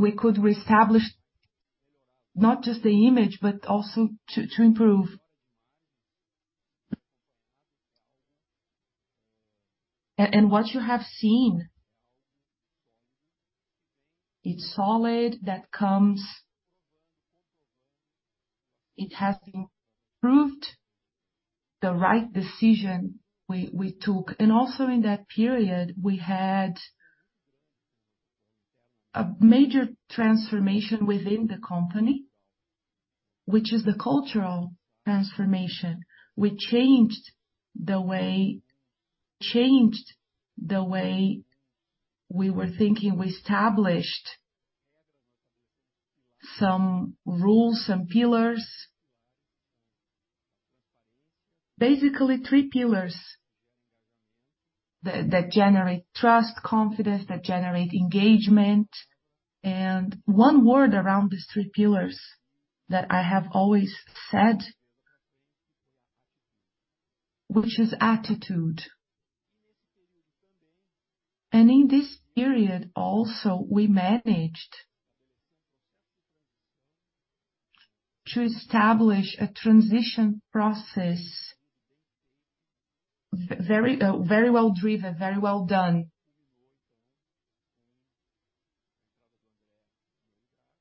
We could reestablish not just the image, but also to improve. And what you have seen, it's solid, that comes. It has improved the right decision we took. And also in that period, we had a major transformation within the company, which is the cultural transformation. We changed the way, changed the way we were thinking. We established some rules, some pillars. Basically, three pillars that generate trust, confidence, that generate engagement. And one word around these three pillars that I have always said, which is attitude. And in this period also, we managed to establish a transition process very well driven, very well done.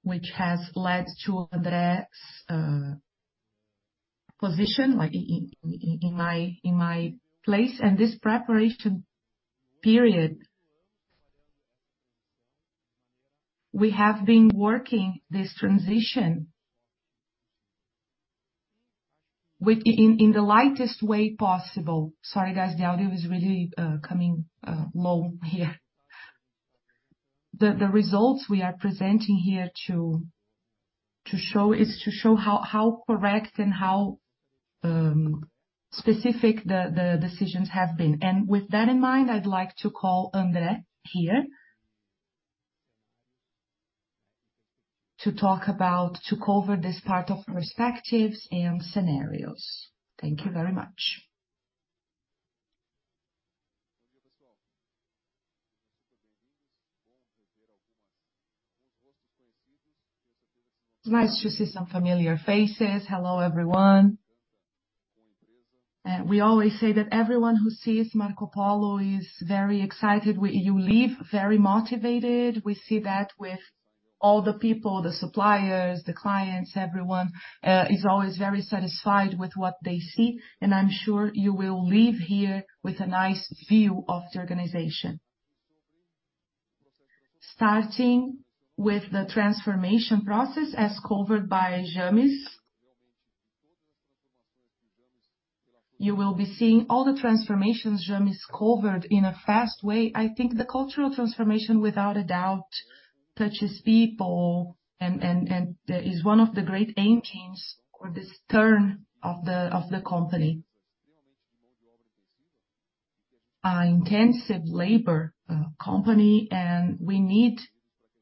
Which has led to André's position, like in my, in my place. And this preparation period, we have been working this transition within the lightest way possible. Sorry, guys, the audio is really coming low here. The results we are presenting here to show is to show how correct and how specific the decisions have been. And with that in mind, I'd like to call André here to talk about, to cover this part of perspectives and scenarios. Thank you very much. It's nice to see some familiar faces. Hello, everyone. We always say that everyone who sees Marcopolo is very excited. We—you leave very motivated. We see that with all the people, the suppliers, the clients, everyone is always very satisfied with what they see, and I'm sure you will leave here with a nice view of the organization. Starting with the transformation process as covered by James. You will be seeing all the transformations James covered in a fast way. I think the cultural transformation, without a doubt, touches people and is one of the great aimings or this turn of the company. Intensive labor company, and we need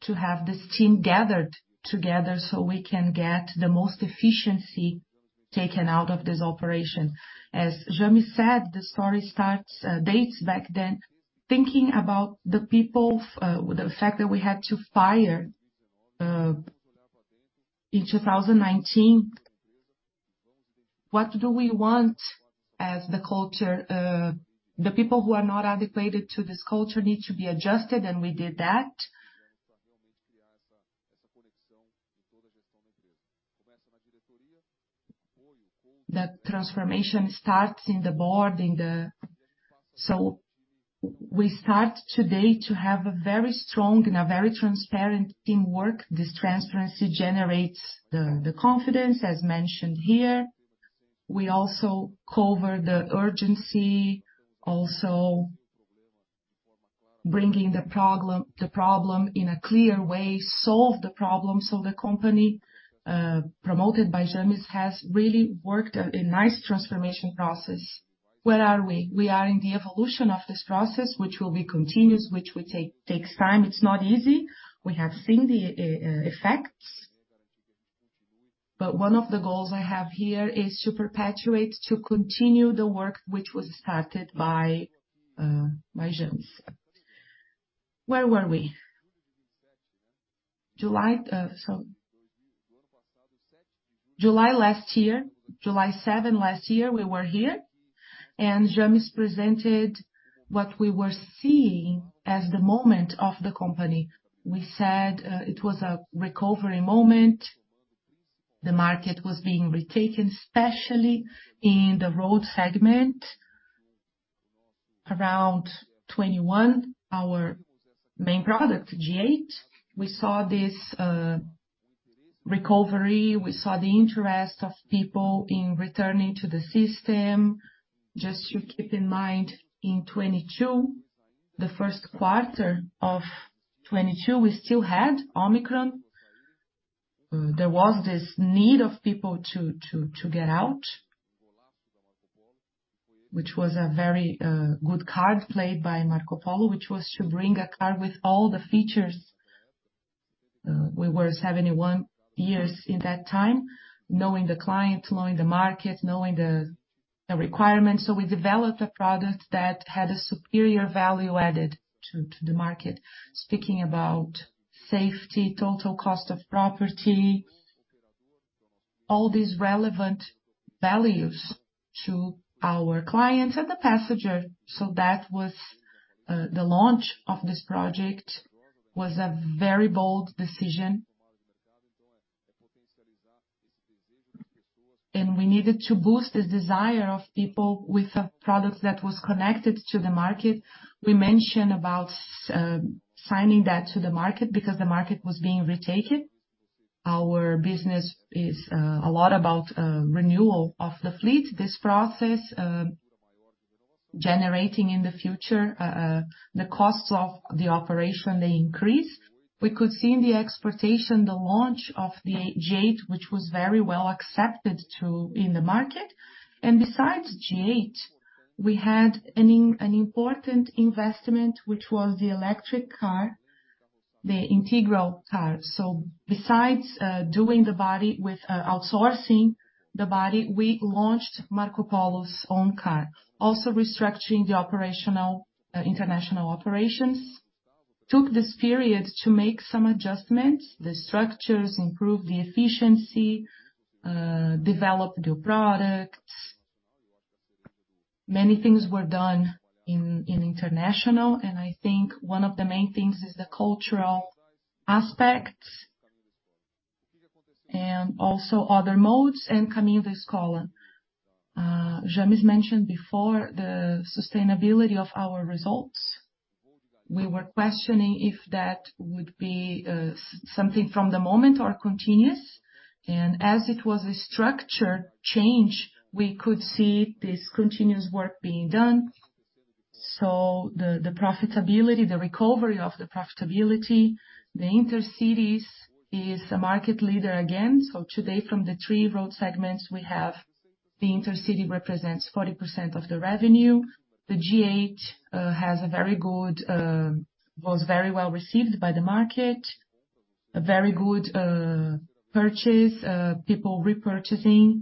to have this team gathered together so we can get the most efficiency taken out of this operation. As James said, the story starts, dates back then, thinking about the people, the fact that we had to fire in 2019. What do we want as the culture? The people who are not adapted to this culture need to be adjusted, and we did that. That transformation starts in the board, in the... So we start today to have a very strong and a very transparent teamwork. This transparency generates the confidence, as mentioned here. We also cover the urgency, also bringing the problem, the problem in a clear way, solve the problem. So the company, promoted by James, has really worked a nice transformation process. Where are we? We are in the evolution of this process, which will be continuous, which will take, takes time. It's not easy. We have seen the effects, but one of the goals I have here is to perpetuate, to continue the work which was started by, by James. Where were we? July, so July last year, July seven last year, we were here, and James presented what we were seeing as the moment of the company. We said, it was a recovery moment. The market was being retaken, especially in the road segment. Around 21, our main product, G8, we saw this recovery. We saw the interest of people in returning to the system. Just to keep in mind, in 2022, the first quarter of 2022, we still had Omicron. There was this need of people to get out, which was a very good card played by Marcopolo, which was to bring a car with all the features. We were 71 years in that time, knowing the client, knowing the market, knowing the requirement. So we developed a product that had a superior value added to the market. Speaking about safety, total cost of property, all these relevant values to our clients and the passenger. So that was the launch of this project, was a very bold decision. And we needed to boost the desire of people with a product that was connected to the market. We mentioned about signing that to the market because the market was being retaken. Our business is a lot about renewal of the fleet. This process generating in the future the costs of the operation, they increased. We could see in the exportation the launch of the G8, which was very well accepted in the market. And besides G8, we had an important investment, which was the electric car, the Integrale car. So besides doing the body with outsourcing the body, we launched Marcopolo's own car. Also restructuring the operational international operations. Took this period to make some adjustments, the structures, improve the efficiency, develop new products. Many things were done in international, and I think one of the main things is the cultural aspect, and also other modes, and Caminho da Escola. James mentioned before the sustainability of our results. We were questioning if that would be something from the moment or continuous. As it was a structure change, we could see this continuous work being done. The profitability, the recovery of the profitability, the intercity is a market leader again. Today, from the three road segments we have, the intercity represents 40% of the revenue. The G8 has a very good... was very well received by the market. A very good purchase, people repurchasing.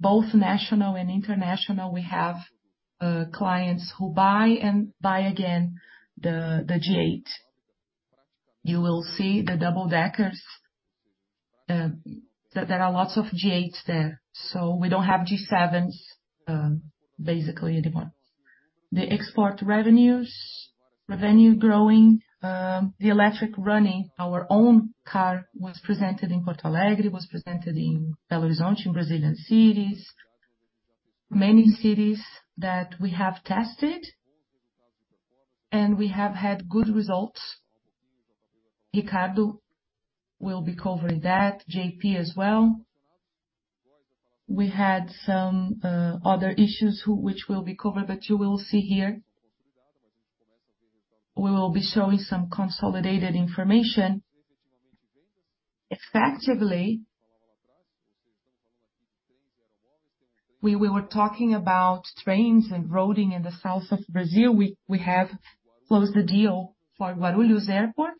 Both national and international, we have clients who buy and buy again, the G8. You will see the double-deckers that there are lots of G8s there. So we don't have G7s basically anymore. The export revenues, revenue growing, the electric running, our own car was presented in Porto Alegre, was presented in Belo Horizonte, in Brazilian cities. Many cities that we have tested, and we have had good results. Ricardo will be covering that, JP as well. We had some other issues which will be covered, but you will see here. We will be showing some consolidated information. Effectively, we were talking about trains and roading in the south of Brazil. We have closed the deal for Guarulhos Airport,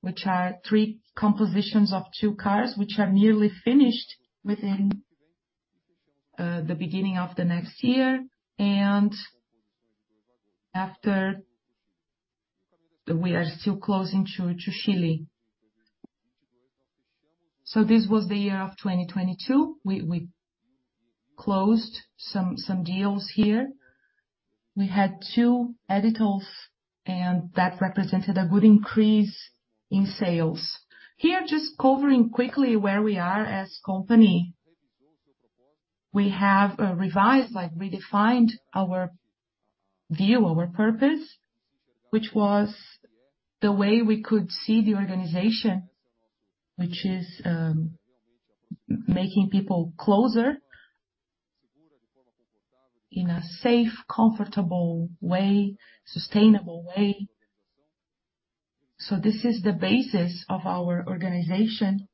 which are three compositions of two cars, which are nearly finished within the beginning of the next year, and after, we are still closing to Chile. So this was the year of 2022. We closed some deals here. We had two orders, and that represented a good increase in sales. Here, just covering quickly where we are as company. We have, revised, like, redefined our view, our purpose, which was the way we could see the organization, which is, making people closer in a safe, comfortable way, sustainable way. So this is the basis of our organization,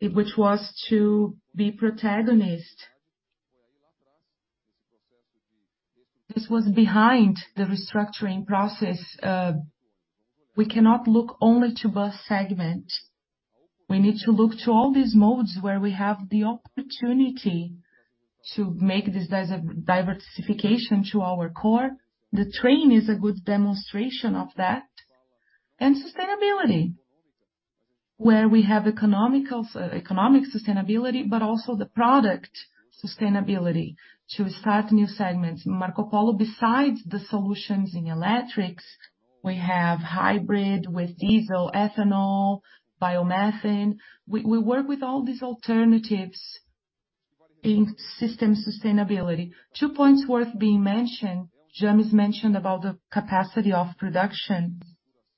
which was to be protagonist. This was behind the restructuring process. We cannot look only to bus segment. We need to look to all these modes where we have the opportunity to make this diversification to our core. The train is a good demonstration of that. Sustainability, where we have economical, economic sustainability, but also the product sustainability to start new segments. Marcopolo, besides the solutions in electrics, we have hybrid with diesel, ethanol, biomethane. We work with all these alternatives in system sustainability. Two points worth being mentioned. James mentioned about the capacity of production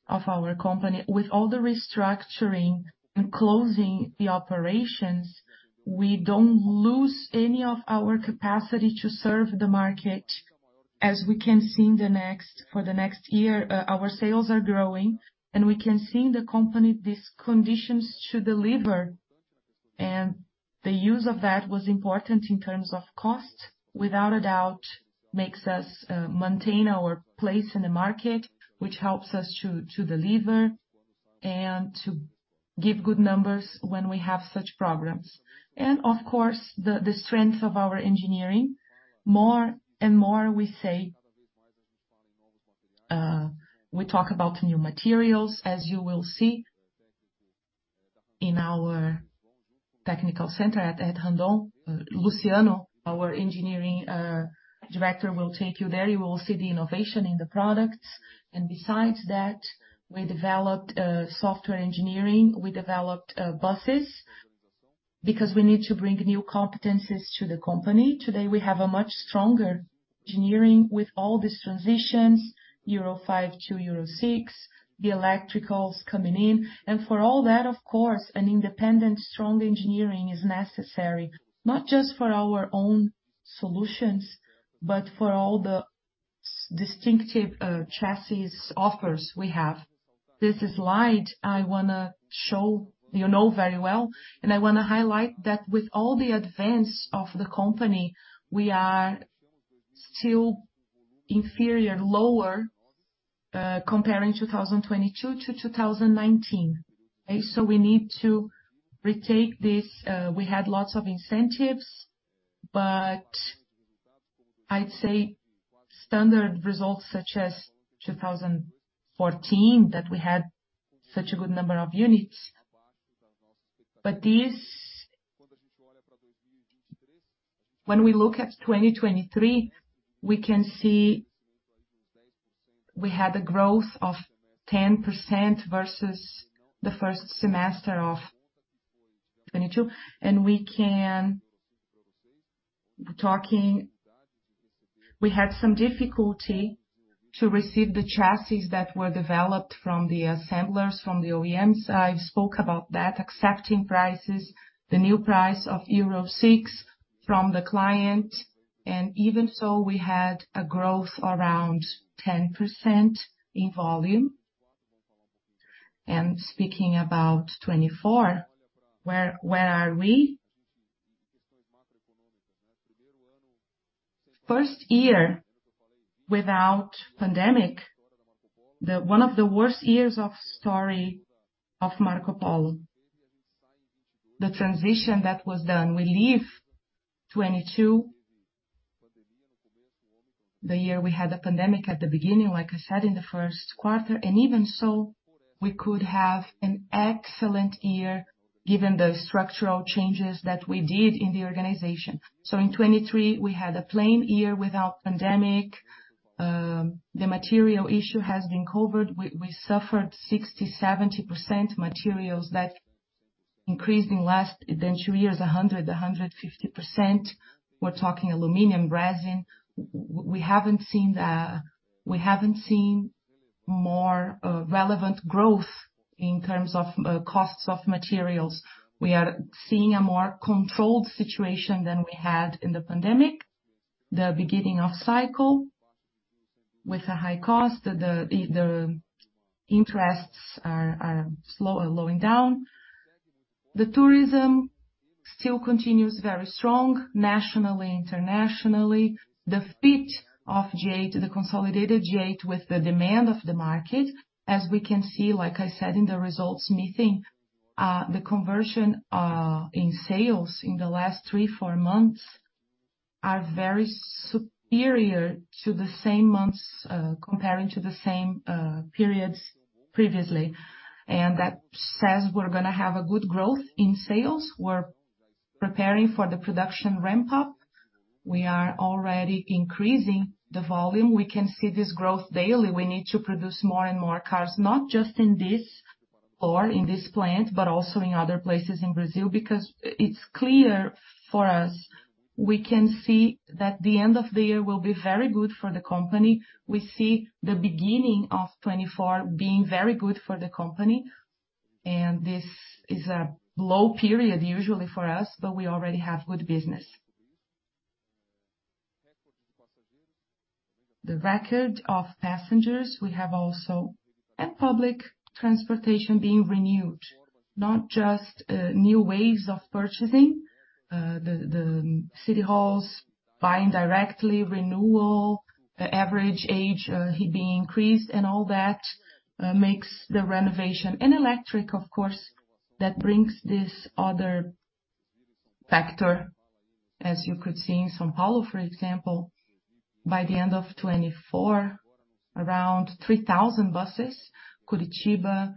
of our company. With all the restructuring and closing the operations, we don't lose any of our capacity to serve the market. As we can see in the next year, our sales are growing, and we can see in the company these conditions to deliver, and the use of that was important in terms of cost. Without a doubt, makes us maintain our place in the market, which helps us to deliver... and to give good numbers when we have such programs. And of course, the strength of our engineering. More and more, we say we talk about new materials, as you will see in our technical center at Rondon. Luciano, our engineering director, will take you there. You will see the innovation in the products. And besides that, we developed software engineering. We developed buses, because we need to bring new competencies to the company. Today, we have a much stronger engineering with all these transitions, Euro V to Euro VI, the electricals coming in. And for all that, of course, an independent, strong engineering is necessary, not just for our own solutions, but for all the distinctive chassis offers we have. This slide, I wanna show, you know very well, and I wanna highlight that with all the advance of the company, we are still inferior, lower, comparing 2022 to 2019. Okay, so we need to retake this. We had lots of incentives, but I'd say standard results, such as 2014, that we had such a good number of units. But this... When we look at 2023, we can see we had a growth of 10% versus the first semester of 2022, and we can, we had some difficulty to receive the chassis that were developed from the assemblers, from the OEMs. I've spoke about that, accepting prices, the new price of Euro VI from the client, and even so, we had a growth around 10% in volume. And speaking about 2024, where, where are we? First year without pandemic, the one of the worst years of history of Marcopolo. The transition that was done, we leave 2022, the year we had a pandemic at the beginning, like I said, in the first quarter, and even so, we could have an excellent year, given the structural changes that we did in the organization. So in 2023, we had a plain year without pandemic. The material issue has been covered. We suffered 60%-70% materials that increased in less than two years, 100%-150%. We're talking aluminum, resin. We haven't seen more relevant growth in terms of costs of materials. We are seeing a more controlled situation than we had in the pandemic. The beginning of cycle with a high cost, the interests are lowering down. The tourism still continues very strong, nationally, internationally. The fit of G8, the consolidated G8, with the demand of the market, as we can see, like I said in the results meeting, the conversion in sales in the last three-four months are very superior to the same months comparing to the same periods previously. That says we're gonna have a good growth in sales. We're preparing for the production ramp-up. We are already increasing the volume. We can see this growth daily. We need to produce more and more cars, not just in this or in this plant, but also in other places in Brazil, because it's clear for us, we can see that the end of the year will be very good for the company. We see the beginning of 2024 being very good for the company, and this is a low period, usually for us, but we already have good business. The record of passengers, we have also a public transportation being renewed, not just new ways of purchasing, the city halls buying directly, renewal, the average age being increased, and all that makes the renovation. Electric, of course, that brings this other factor, as you could see in São Paulo, for example, by the end of 2024, around 3,000 buses, Curitiba,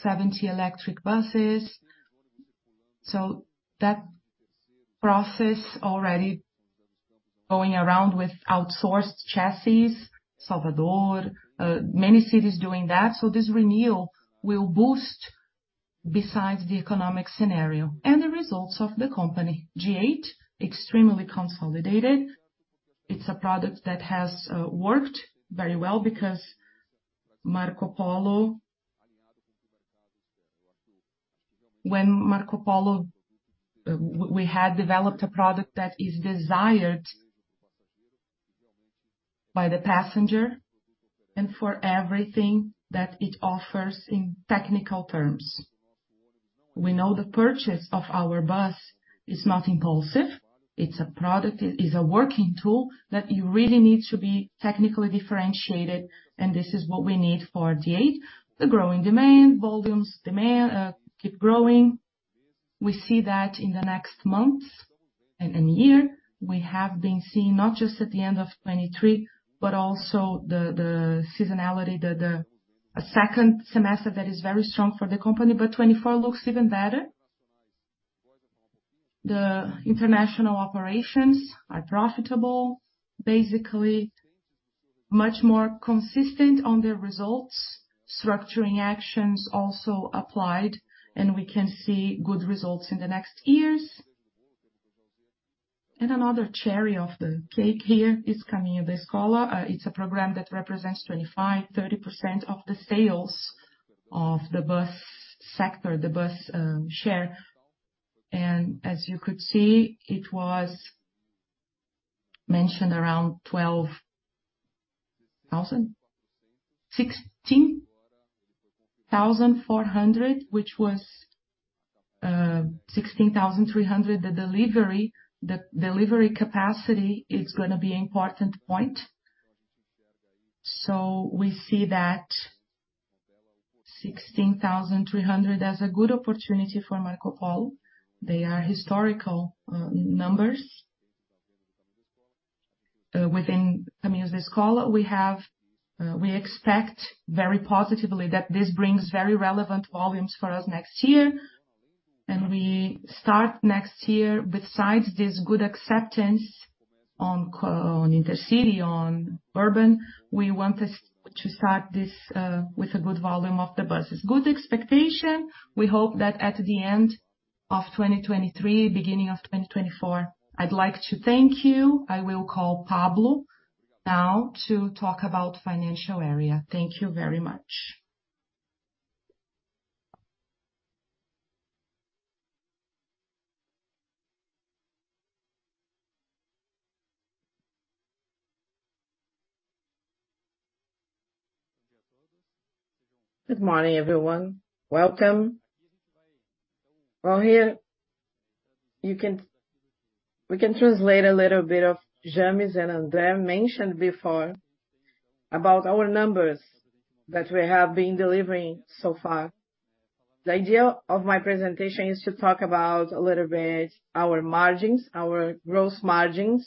70 electric buses. So that process already going around with outsourced chassis, Salvador, many cities doing that. So this renewal will boost besides the economic scenario and the results of the company. G8, extremely consolidated. It's a product that has worked very well because Marcopolo... When Marcopolo, we had developed a product that is desired by the passenger and for everything that it offers in technical terms... We know the purchase of our bus is not impulsive. It's a product, it is a working tool that you really need to be technically differentiated, and this is what we need for G8. The growing demand, volumes, demand, keep growing. We see that in the next months and in year, we have been seeing not just at the end of 2023, but also the seasonality, a second semester that is very strong for the company, but 2024 looks even better. The international operations are profitable, basically, much more consistent on their results, structuring actions also applied, and we can see good results in the next years. Another cherry of the cake here is Caminho da Escola. It's a program that represents 25%-30% of the sales of the bus sector, the bus share. And as you could see, it was mentioned around 12,000, 16,400, which was 16,300. The delivery capacity is gonna be important point. We see that 16,300 as a good opportunity for Marcopolo. They are historical numbers. Within, I mean, this call, we have, we expect very positively that this brings very relevant volumes for us next year, and we start next year besides this good acceptance on coach, on intercity, on urban, we want this to start with a good volume of the buses. Good expectation. We hope that at the end of 2023, beginning of 2024, I'd like to thank you. I will call Pablo now to talk about financial area. Thank you very much. Good morning, everyone. Welcome. Well, we can translate a little bit of what James and André mentioned before about our numbers that we have been delivering so far. The idea of my presentation is to talk a little bit about our margins, our gross margins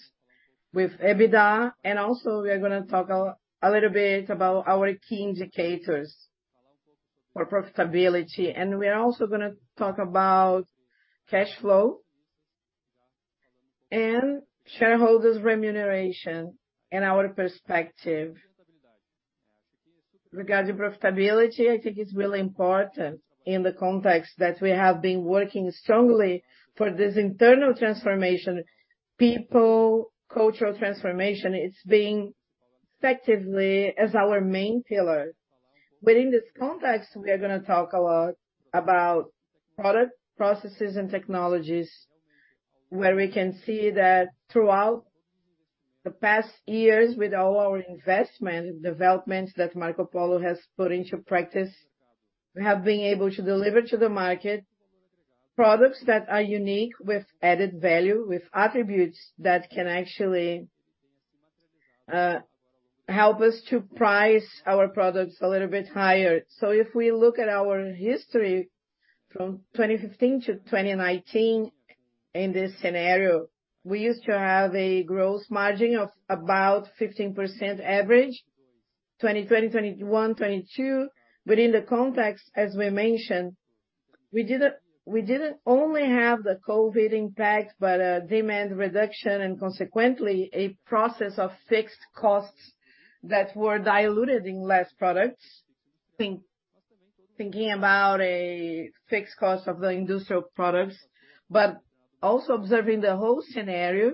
with EBITDA, and also we are gonna talk a little bit about our key indicators for profitability. And we are also gonna talk about cash flow and shareholders remuneration and our perspective. Regarding profitability, I think it's really important in the context that we have been working strongly for this internal transformation. People, cultural transformation, it's being effectively as our main pillar. But in this context, we are gonna talk a lot about product, processes, and technologies, where we can see that throughout the past years, with all our investment developments that Marcopolo has put into practice, we have been able to deliver to the market products that are unique, with added value, with attributes that can actually help us to price our products a little bit higher. So if we look at our history from 2015 to 2019, in this scenario, we used to have a gross margin of about 15% average, 2020, 2021, 2022. Within the context, as we mentioned, we didn't only have the COVID impact, but a demand reduction and consequently, a process of fixed costs that were diluted in less products. Thinking about a fixed cost of the industrial products, but also observing the whole scenario,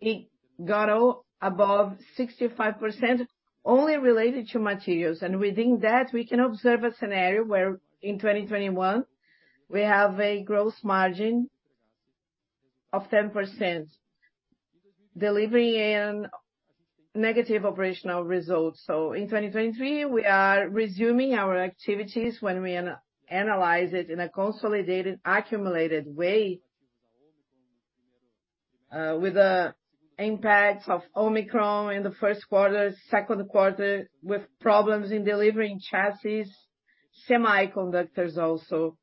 it got all above 65%, only related to materials. And within that, we can observe a scenario where in 2021, we have a gross margin of 10%, delivering in negative operational results. So in 2023, we are resuming our activities when we analyze it in a consolidated, accumulated way, with the impacts of Omicron in the first quarter, second quarter, with problems in delivering chassis, semiconductors also,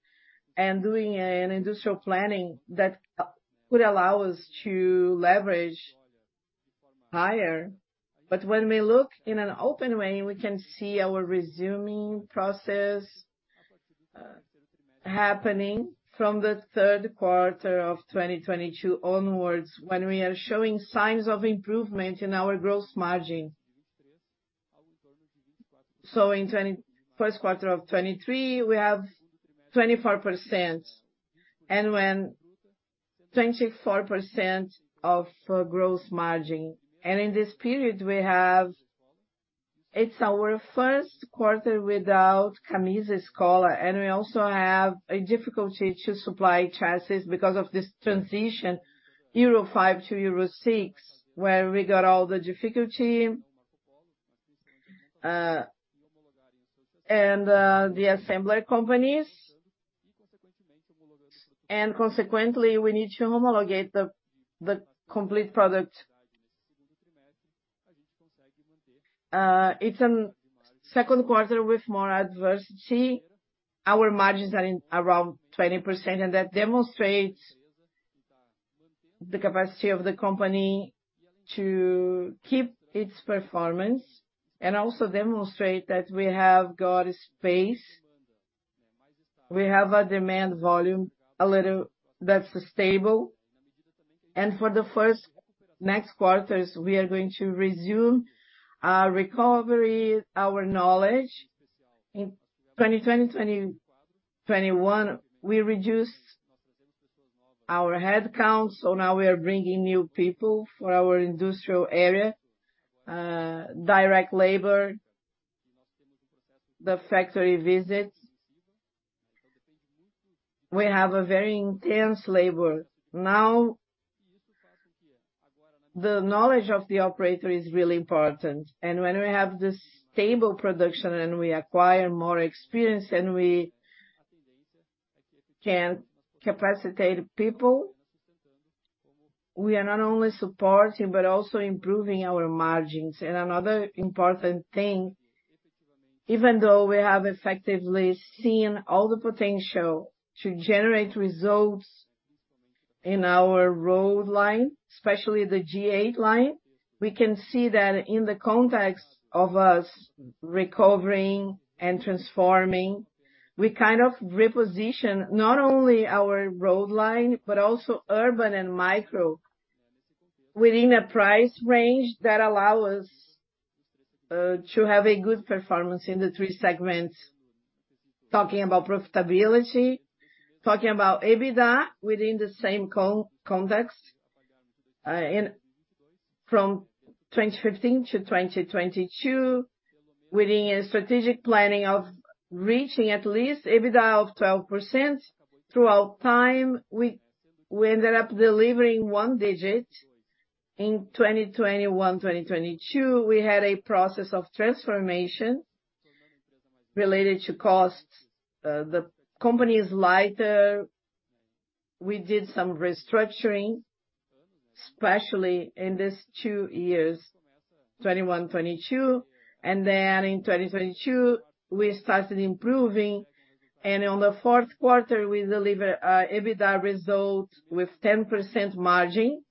and doing an industrial planning that would allow us to leverage higher. But when we look in an open way, we can see our resuming process happening from the third quarter of 2022 onwards, when we are showing signs of improvement in our gross margin. In the first quarter of 2023, we have 24%, and when 24% of gross margin. In this period, we have... It's our first quarter without Caminho da Escola, and we also have a difficulty to supply chassis because of this transition, Euro V to Euro VI, where we got all the difficulty, and the assembler companies. And consequently, we need to homologate the complete product. It's a second quarter with more adversity. Our margins are in around 20%, and that demonstrates the capacity of the company to keep its performance, and also demonstrate that we have got space. We have a demand volume, that's stable. And for the first next quarters, we are going to resume our recovery, our knowledge. In 2020, 2021, we reduced our headcount, so now we are bringing new people for our industrial area, direct labor, the factory visits. We have a very intense labor. Now, the knowledge of the operator is really important, and when we have this stable production, and we acquire more experience, and we can capacitate people, we are not only supporting, but also improving our margins. Another important thing, even though we have effectively seen all the potential to generate results in our road line, especially the G8 line, we can see that in the context of us recovering and transforming, we kind of reposition not only our road line, but also urban and micro, within a price range that allow us, to have a good performance in the three segments. Talking about profitability, talking about EBITDA within the same context, from 2015 to 2022, within a strategic planning of reaching at least EBITDA of 12%. Throughout time, we ended up delivering one digit. In 2021, 2022, we had a process of transformation related to cost. The company is lighter. We did some restructuring, especially in this two years, 2021, 2022, and then in 2022, we started improving. And on the fourth quarter, we deliver EBITDA result with 10% margin.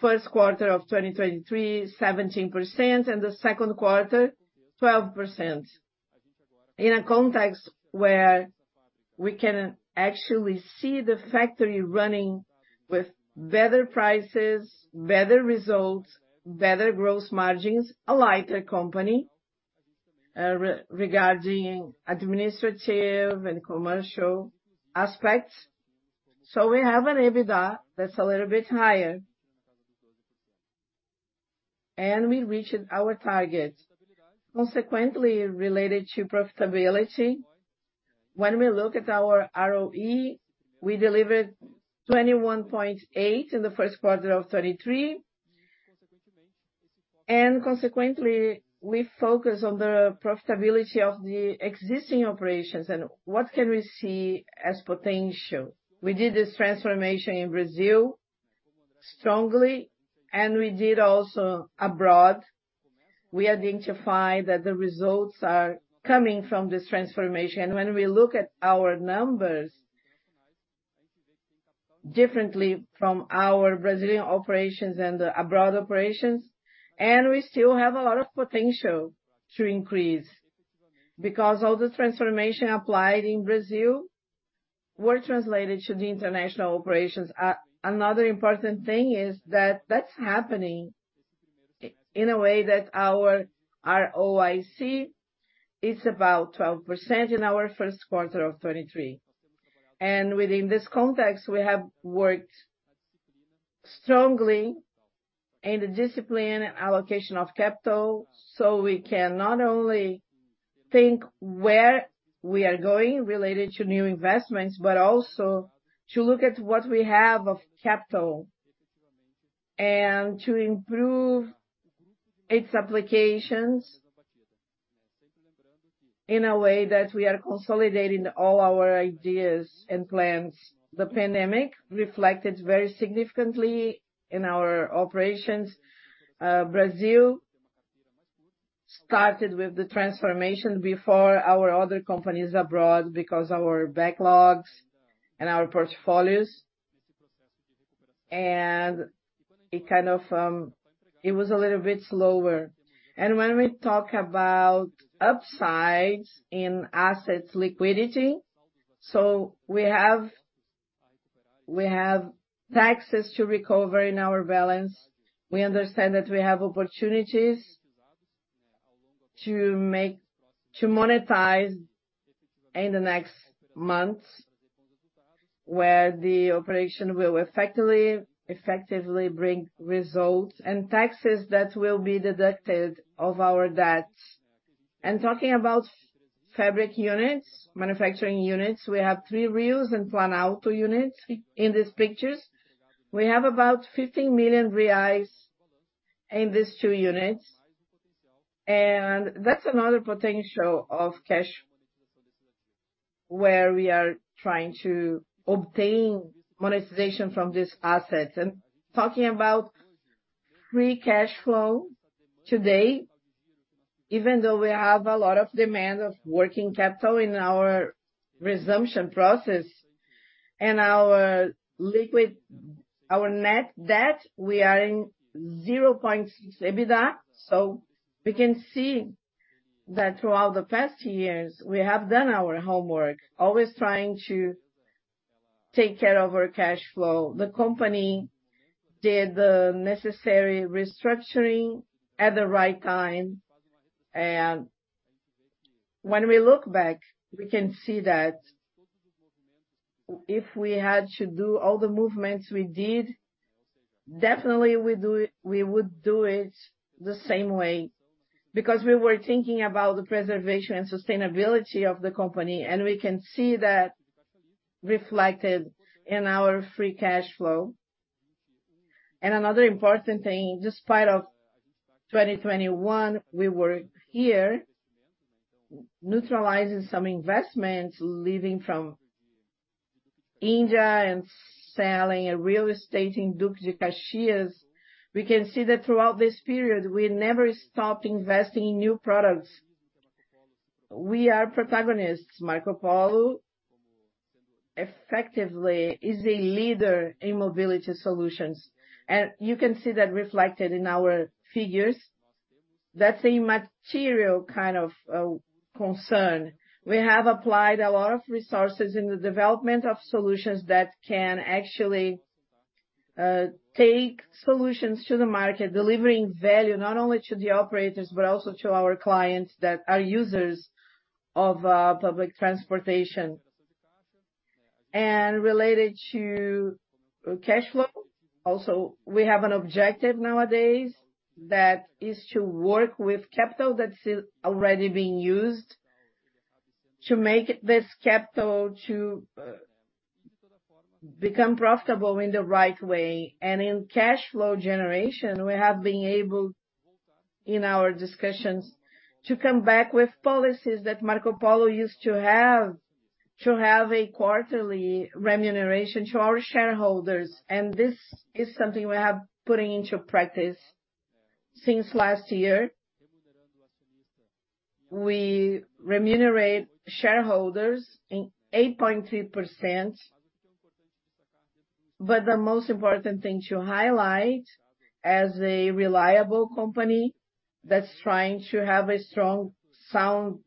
First quarter of 2023, 17%, and the second quarter, 12%. In a context where we can actually see the factory running with better prices, better results, better gross margins, a lighter company, regarding administrative and commercial aspects. So we have an EBITDA that's a little bit higher. We reached our target. Consequently, related to profitability, when we look at our ROE, we delivered 21.8% in the first quarter of 2023. Consequently, we focus on the profitability of the existing operations and what can we see as potential. We did this transformation in Brazil strongly, and we did also abroad. We identify that the results are coming from this transformation. When we look at our numbers different from our Brazilian operations and the abroad operations, and we still have a lot of potential to increase. Because all the transformation applied in Brazil were translated to the international operations. Another important thing is that that's happening in a way that our ROIC is about 12% in our first quarter of 2023. And within this context, we have worked strongly in the discipline and allocation of capital, so we can not only think where we are going related to new investments, but also to look at what we have of capital, and to improve its applications in a way that we are consolidating all our ideas and plans. The pandemic reflected very significantly in our operations. Brazil started with the transformation before our other companies abroad, because our backlogs and our portfolios, and it kind of, it was a little bit slower. When we talk about upsides in assets liquidity, so we have, we have taxes to recover in our balance. We understand that we have opportunities to monetize in the next months, where the operation will effectively, effectively bring results and taxes that will be deducted of our debts. Talking about fab units, manufacturing units. We have three reels and one auto unit in these pictures. We have about 15 million reais in these two units, and that's another potential of cash, where we are trying to obtain monetization from these assets. Talking about free cash flow today, even though we have a lot of demand of working capital in our resumption process and our liquidity—our net debt, we are at 0 EBITDA. We can see that throughout the past years, we have done our homework, always trying to take care of our cash flow. The company did the necessary restructuring at the right time, and when we look back, we can see that if we had to do all the movements we did, definitely we would do it the same way. Because we were thinking about the preservation and sustainability of the company, and we can see that reflected in our free cash flow. Another important thing, despite 2021, we were here neutralizing some investments, leaving from India and selling a real estate in Duque de Caxias. We can see that throughout this period, we never stopped investing in new products. We are protagonists. Marcopolo effectively is a leader in mobility solutions, and you can see that reflected in our figures. That's a material kind of concern. We have applied a lot of resources in the development of solutions that can actually take solutions to the market, delivering value not only to the operators, but also to our clients that are users of public transportation. Related to cash flow, also, we have an objective nowadays, that is to work with capital that's already being used to make this capital to become profitable in the right way. In cash flow generation, we have been able, in our discussions, to come back with policies that Marcopolo used to have, to have a quarterly remuneration to our shareholders. And this is something we have putting into practice since last year. We remunerate shareholders in 8.3%. But the most important thing to highlight as a reliable company that's trying to have a strong, sound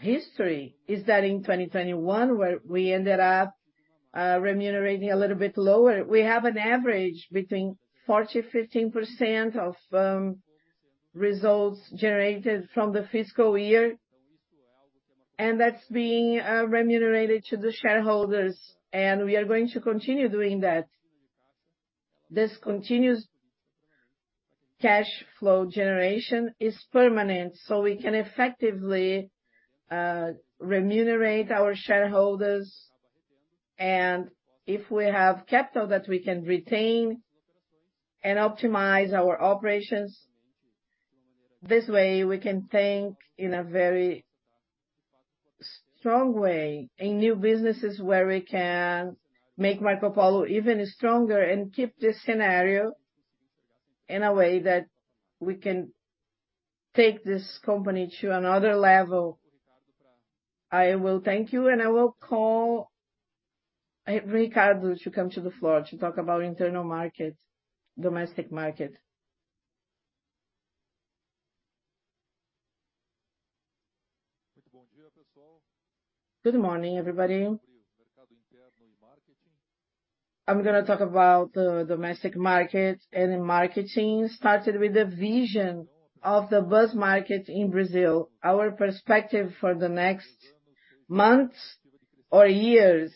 history, is that in 2021, where we ended up remunerating a little bit lower. We have an average between 14% and 15% of results generated from the fiscal year, and that's being remunerated to the shareholders, and we are going to continue doing that. This continuous cash flow generation is permanent, so we can effectively remunerate our shareholders, and if we have capital that we can retain and optimize our operations, this way, we can think in a very strong way in new businesses where we can make Marcopolo even stronger and keep this scenario in a way that we can take this company to another level. I will thank you, and I will call Ricardo to come to the floor to talk about internal market, domestic market. Good morning, everybody. I'm gonna talk about the domestic market, and the marketing started with the vision of the bus market in Brazil. Our perspective for the next months or years,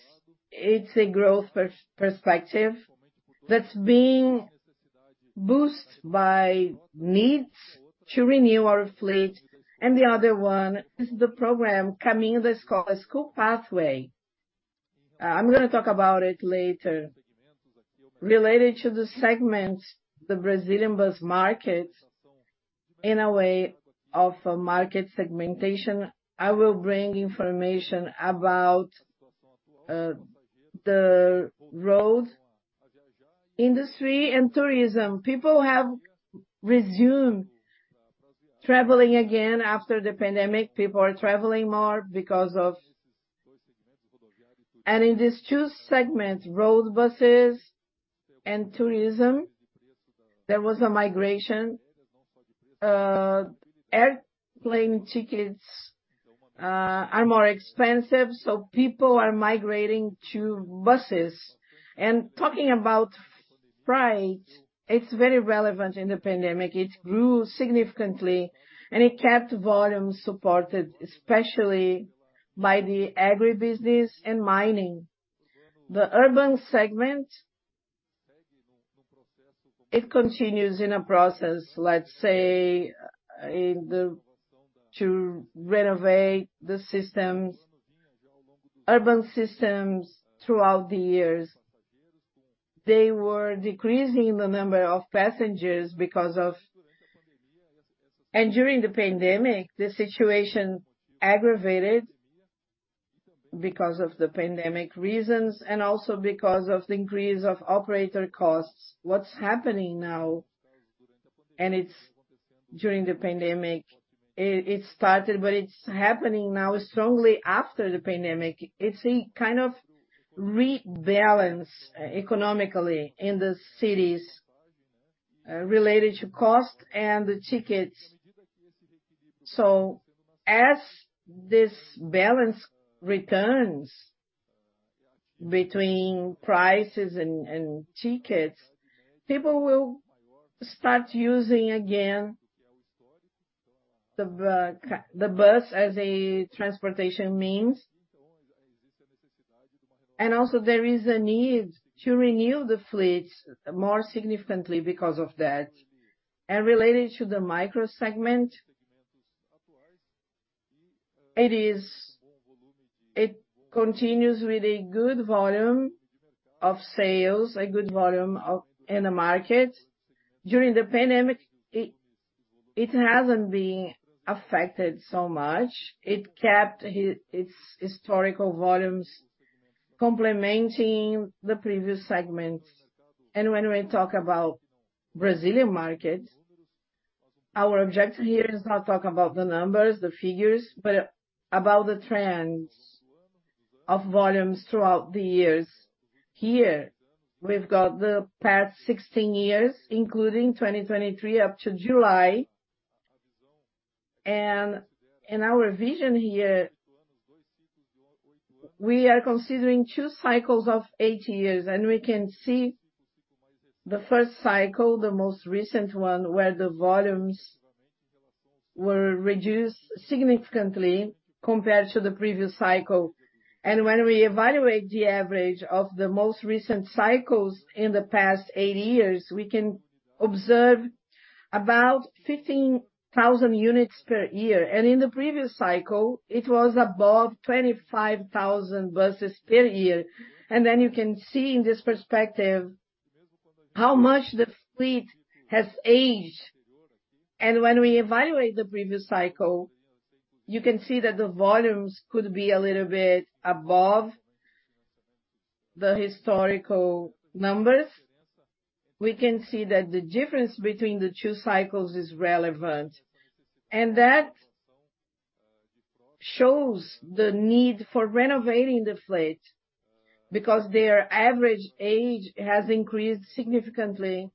it's a growth perspective that's being boosted by needs to renew our fleet, and the other one is the program, Caminho da Escola, School Pathway. I'm gonna talk about it later. Related to the segments, the Brazilian bus market, in a way of a market segmentation, I will bring information about the road industry and tourism. People have resumed traveling again after the pandemic. People are traveling more because of... In these two segments, road buses and tourism, there was a migration. Airplane tickets are more expensive, so people are migrating to buses. And talking about freight, it's very relevant in the pandemic. It grew significantly, and it kept volumes supported, especially by the agribusiness and mining. The urban segment. It continues in a process, let's say, in the to renovate the systems, urban systems throughout the years. They were decreasing the number of passengers because of. And during the pandemic, the situation aggravated because of the pandemic reasons, and also because of the increase of operator costs. What's happening now, and it's during the pandemic, it started, but it's happening now strongly after the pandemic. It's a kind of rebalance economically in the cities related to cost and the tickets. So as this balance returns between prices and tickets, people will start using again the bus as a transportation means. And also, there is a need to renew the fleets more significantly because of that. And related to the micro segment, it continues with a good volume of sales in the market. During the pandemic, it hasn't been affected so much. It kept its historical volumes, complementing the previous segments. And when we talk about Brazilian market, our objective here is not talk about the numbers, the figures, but about the trends of volumes throughout the years. Here, we've got the past 16 years, including 2023, up to July. In our vision here, we are considering two cycles of eight years, and we can see the first cycle, the most recent one, where the volumes were reduced significantly compared to the previous cycle. When we evaluate the average of the most recent cycles in the past eight years, we can observe about 15,000 units per year. In the previous cycle, it was above 25,000 buses per year. Then you can see in this perspective how much the fleet has aged. When we evaluate the previous cycle, you can see that the volumes could be a little bit above the historical numbers. We can see that the difference between the two cycles is relevant, and that shows the need for renovating the fleet, because their average age has increased significantly.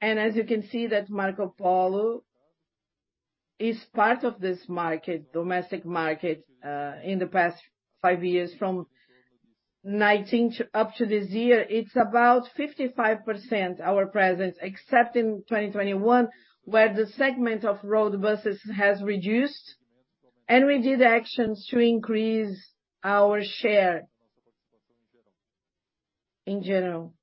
As you can see, that Marcopolo is part of this market, domestic market, in the past five years, from 2019 up to this year, it's about 55%, our presence, except in 2021, where the segment of road buses has reduced, and we did actions to increase our share in general.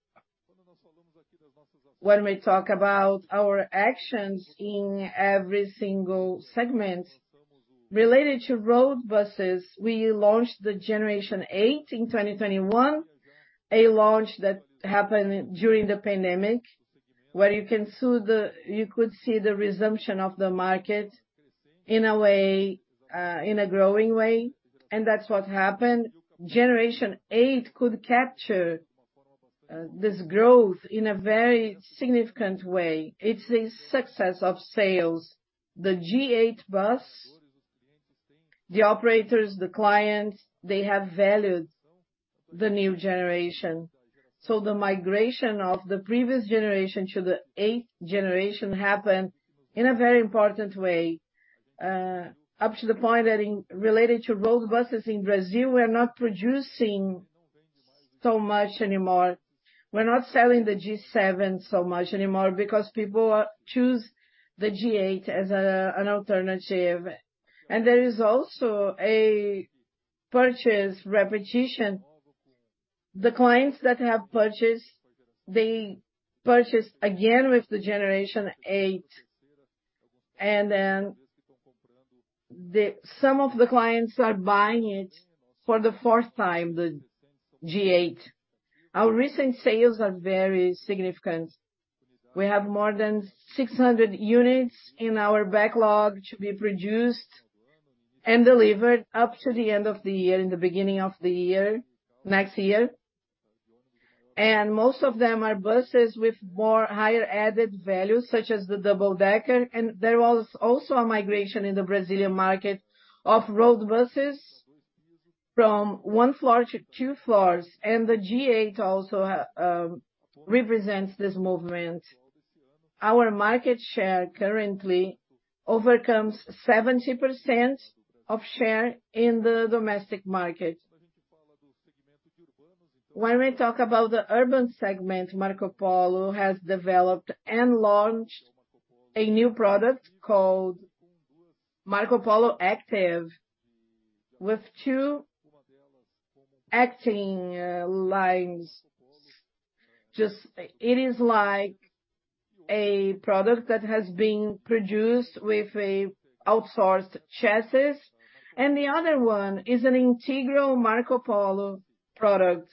When we talk about our actions in every single segment related to road buses, we launched the Generation 8 in 2021, a launch that happened during the pandemic, where you could see the resumption of the market in a way, in a growing way, and that's what happened. Generation 8 could capture this growth in a very significant way. It's a success of sales. The G8 bus, the operators, the clients, they have valued the new generation. So the migration of the previous generation to the eighth generation happened in a very important way, up to the point that in related to road buses in Brazil, we are not producing so much anymore. We're not selling the G7 so much anymore because people choose the G8 as a, an alternative. And there is also a purchase repetition. The clients that have purchased, they purchase again with the Generation Eight, and then some of the clients are buying it for the fourth time, the G8. Our recent sales are very significant. We have more than 600 units in our backlog to be produced and delivered up to the end of the year, in the beginning of the year, next year. And most of them are buses with more higher added value, such as the double decker. There was also a migration in the Brazilian market of road buses from one floor to two floors, and the G8 also represents this movement. Our market share currently overcomes 70% of share in the domestic market. When we talk about the urban segment, Marcopolo has developed and launched a new product called Marcopolo ATTIVi, with two acting lines. It is like a product that has been produced with a outsourced chassis, and the other one is an integral Marcopolo product.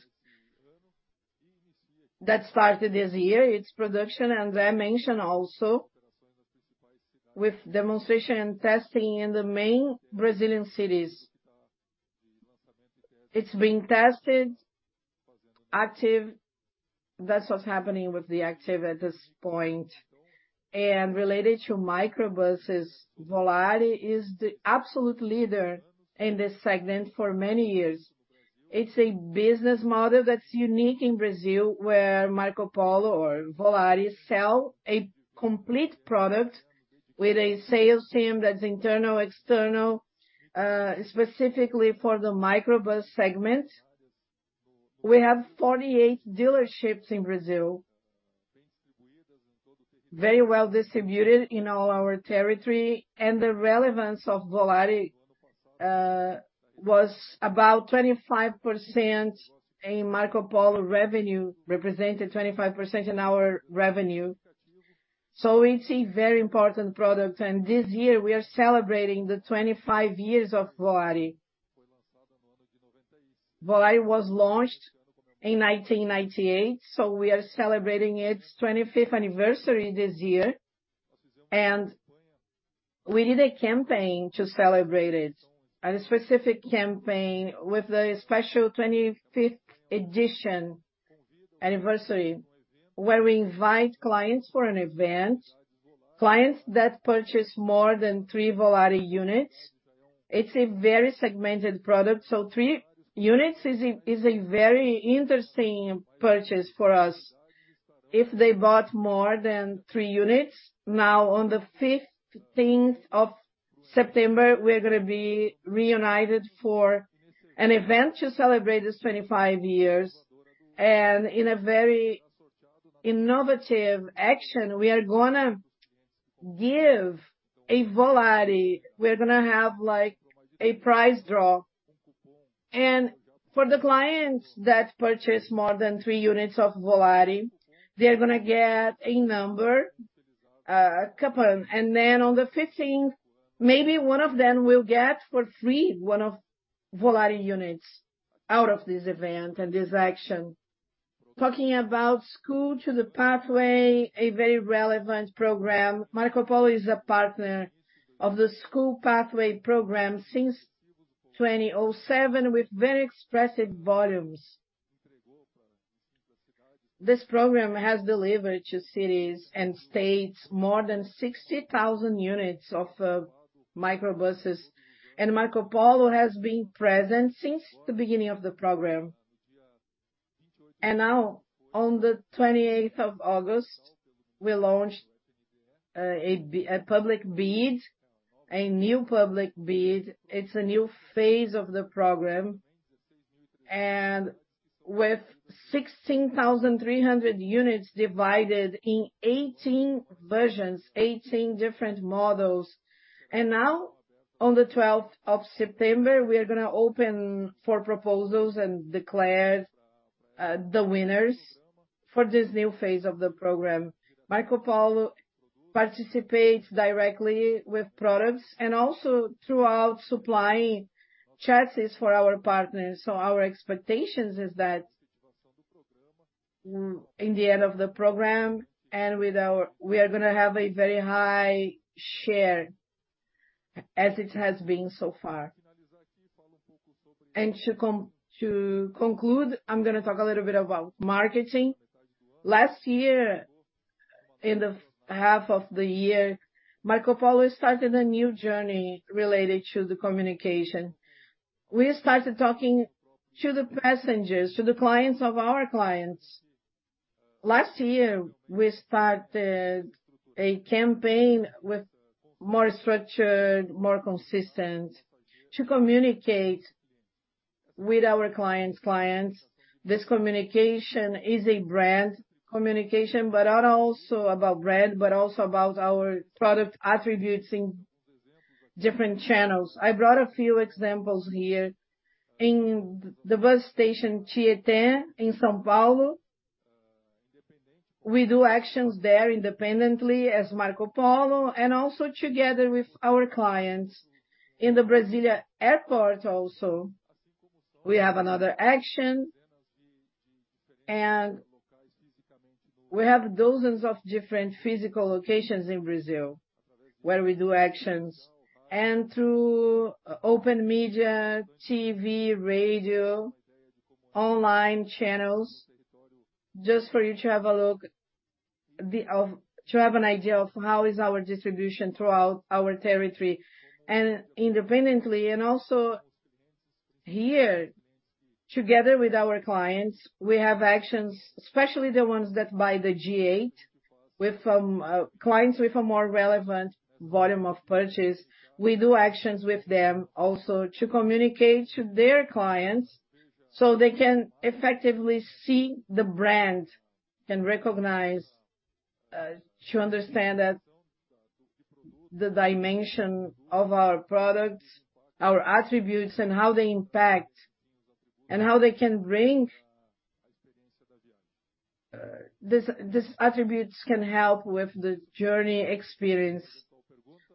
That started this year, its production, and I mentioned also with demonstration and testing in the main Brazilian cities. It's being tested, Active. That's what's happening with the Active at this point. Related to micro buses, Volare is the absolute leader in this segment for many years. It's a business model that's unique in Brazil, where Marcopolo or Volare sell a complete product with a sales team that's internal or external, specifically for the microbus segment. We have 48 dealerships in Brazil, very well distributed in all our territory, and the relevance of Volare was about 25% in Marcopolo revenue, represented 25% in our revenue. So it's a very important product, and this year, we are celebrating the 25 years of Volare. Volare was launched in 1998, so we are celebrating its 25th anniversary this year, and we did a campaign to celebrate it. A specific campaign with the special 25th edition anniversary, where we invite clients for an event, clients that purchase more than three Volare units. It's a very segmented product, so three units is a very interesting purchase for us. If they bought more than three units, now on the 15th of September, we're gonna be reunited for an event to celebrate this 25 years. In a very innovative action, we are gonna give a Volare. We're gonna have, like, a prize draw. For the clients that purchase more than three units of Volare, they're gonna get a number, a coupon, and then on the 15th, maybe one of them will get for free, one of Volare units out of this event and this action. Talking about Caminho da Escola, a very relevant program. Marcopolo is a partner of the Caminho da Escola program since 2007 with very expressive volumes. This program has delivered to cities and states more than 60,000 units of micro buses, and Marcopolo has been present since the beginning of the program. Now on the 28th of August, we launched a public bid, a new public bid. It's a new phase of the program, and with 16,300 units divided in 18 versions, 18 different models. Now on the twelfth of September, we are gonna open for proposals and declare the winners for this new phase of the program. Marcopolo participates directly with products and also throughout supplying chassis for our partners. So our expectations is that, in the end of the program and with our... We are gonna have a very high share, as it has been so far. To conclude, I'm gonna talk a little bit about marketing. Last year, in the half of the year, Marcopolo started a new journey related to the communication. We started talking to the passengers, to the clients of our clients. Last year, we started a campaign with more structured, more consistent, to communicate with our clients, clients. This communication is a brand communication, but not also about brand, but also about our product attributes in different channels. I brought a few examples here. In the bus station, Tietê, in São Paulo, we do actions there independently as Marcopolo, and also together with our clients. In the Brasília airport also, we have another action, and we have dozens of different physical locations in Brazil where we do actions and through open media, TV, radio, online channels, just for you to have a look, to have an idea of how is our distribution throughout our territory. And independently, and also here, together with our clients, we have actions, especially the ones that buy the G8. With clients with a more relevant volume of purchase, we do actions with them also to communicate to their clients, so they can effectively see the brand and recognize to understand the dimension of our products, our attributes, and how they impact and how they can bring these attributes can help with the journey experience.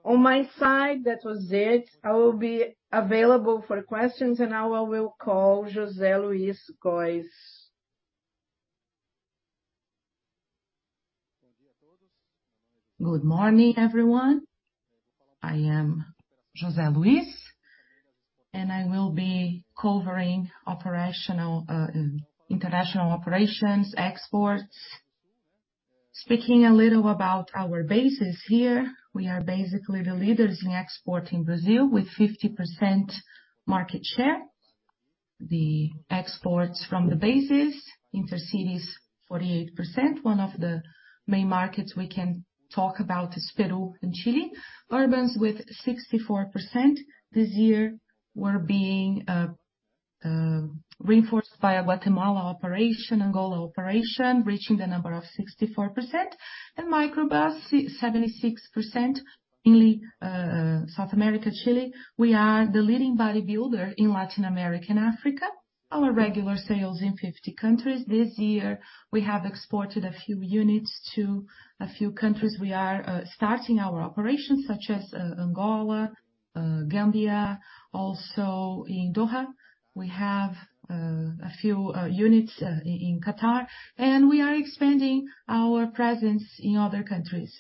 On my side, that was it. I will be available for questions, and now I will call José Luis Goes. Good morning, everyone. I am José Luis, and I will be covering operational, international operations, exports. Speaking a little about our bases here, we are basically the leaders in export in Brazil, with 50% market share. The exports from the bases, intercity is 48%. One of the main markets we can talk about is Peru and Chile. Urbans, with 64%. This year, we're being reinforced by a Guatemala operation, Angola operation, reaching the number of 64%. Microbus, 76%, mainly, South America, Chile. We are the leading body builder in Latin America and Africa. Our regular sales in 50 countries. This year, we have exported a few units to a few countries we are starting our operations, such as, Angola, Gambia, also in Doha. We have a few units in Qatar, and we are expanding our presence in other countries.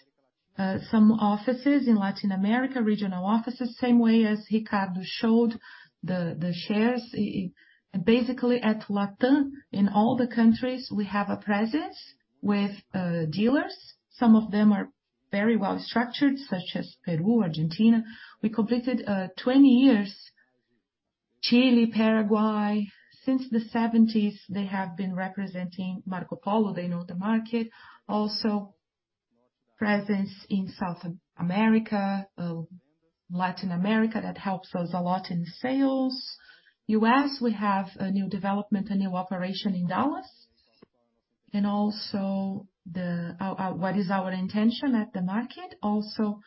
Some offices in Latin America, regional offices, same way as Ricardo showed the shares. Basically, at LatAm, in all the countries, we have a presence with dealers. Some of them are very well-structured, such as Peru, Argentina. We completed 20 years. Chile, Paraguay, since the 1970s, they have been representing Marcopolo. They know the market. Also, presence in South America, Latin America, that helps us a lot in sales. U.S., we have a new development, a new operation in Dallas, and also our intention at the market. Also,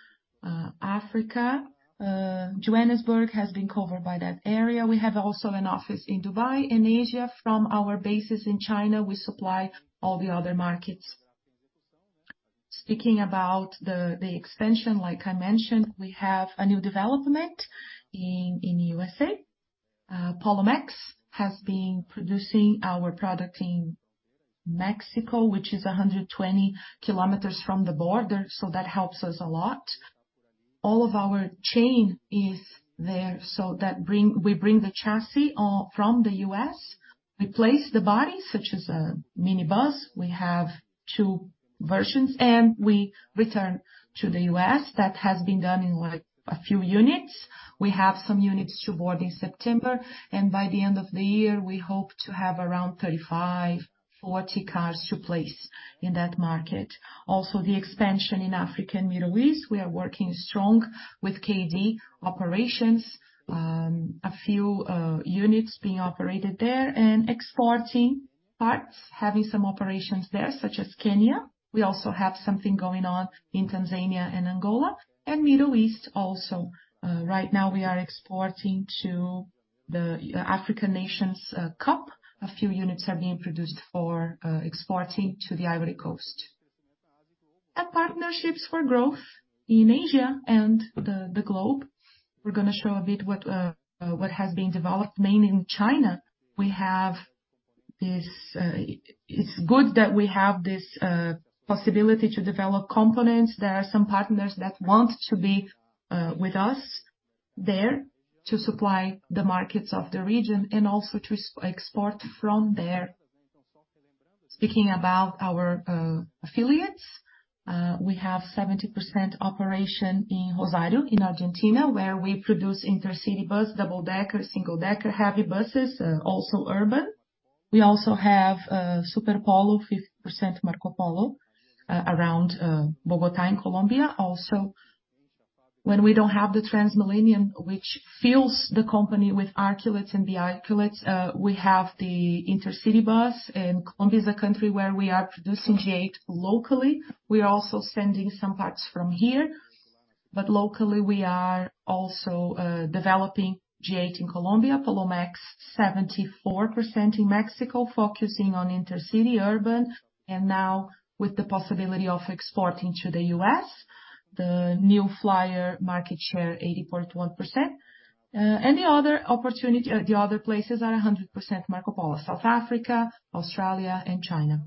Africa, Johannesburg has been covered by that area. We have also an office in Dubai. In Asia, from our bases in China, we supply all the other markets. Speaking about the extension, like I mentioned, we have a new development in USA. Polomex has been producing our product in Mexico, which is 120 km from the border, so that helps us a lot. All of our chain is there, so that bring, we bring the chassis from the U.S. We place the body, such as a minibus. We have two versions, and we return to the U.S. That has been done in, like, a few units. We have some units to board in September, and by the end of the year, we hope to have around 35-40 cars to place in that market. Also, the expansion in African Middle East, we are working strong with KD operations, a few units being operated there and exporting parts, having some operations there, such as Kenya. We also have something going on in Tanzania and Angola, and Middle East also. Right now, we are exporting to the African Nations Cup. A few units are being produced for exporting to the Ivory Coast. And partnerships for growth in Asia and the globe. We're gonna show a bit what has been developed, mainly in China. We have this. It's good that we have this possibility to develop components. There are some partners that want to be with us there, to supply the markets of the region and also to export from there. Speaking about our affiliates, we have 70% operation in Rosario, in Argentina, where we produce intercity bus, double-decker, single-decker, heavy buses, also urban. We also have Superpolo, 50% Marcopolo, around Bogotá in Colombia. Also, when we don't have the TransMilenio, which fills the company with articulates and bi-articulates, we have the intercity bus, and Colombia is a country where we are producing G8 locally. We are also sending some parts from here, but locally, we are also developing G8 in Colombia, Polomex, 74% in Mexico, focusing on intercity, urban, and now with the possibility of exporting to the U.S., the New Flyer market share, 80.1%. And the other opportunity, the other places are 100% Marcopolo, South Africa, Australia, and China.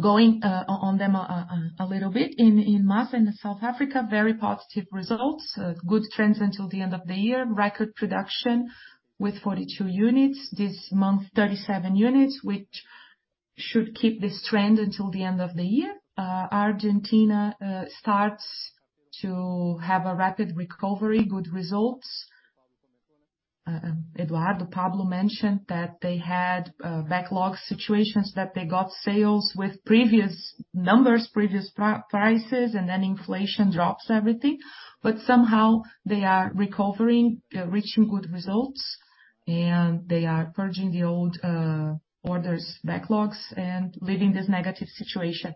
Going on them a little bit, in MASA and South Africa, very positive results, good trends until the end of the year. Record production with 42 units. This month, 37 units, which should keep this trend until the end of the year. Argentina starts to have a rapid recovery, good results. Eduardo Pablo mentioned that they had backlog situations, that they got sales with previous numbers, previous prices, and then inflation drops everything, but somehow they are recovering, reaching good results, and they are purging the old orders backlogs and leaving this negative situation.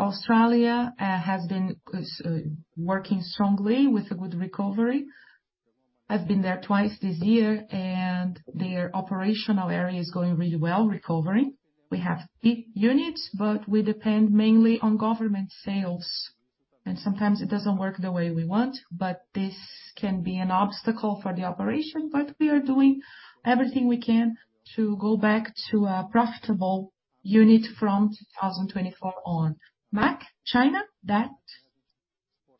Australia has been working strongly with a good recovery. I've been there twice this year, and their operational area is going really well, recovering. We have eight units, but we depend mainly on government sales, and sometimes it doesn't work the way we want, but this can be an obstacle for the operation, but we are doing everything we can to go back to a profitable unit from 2024 on. MAC, China, that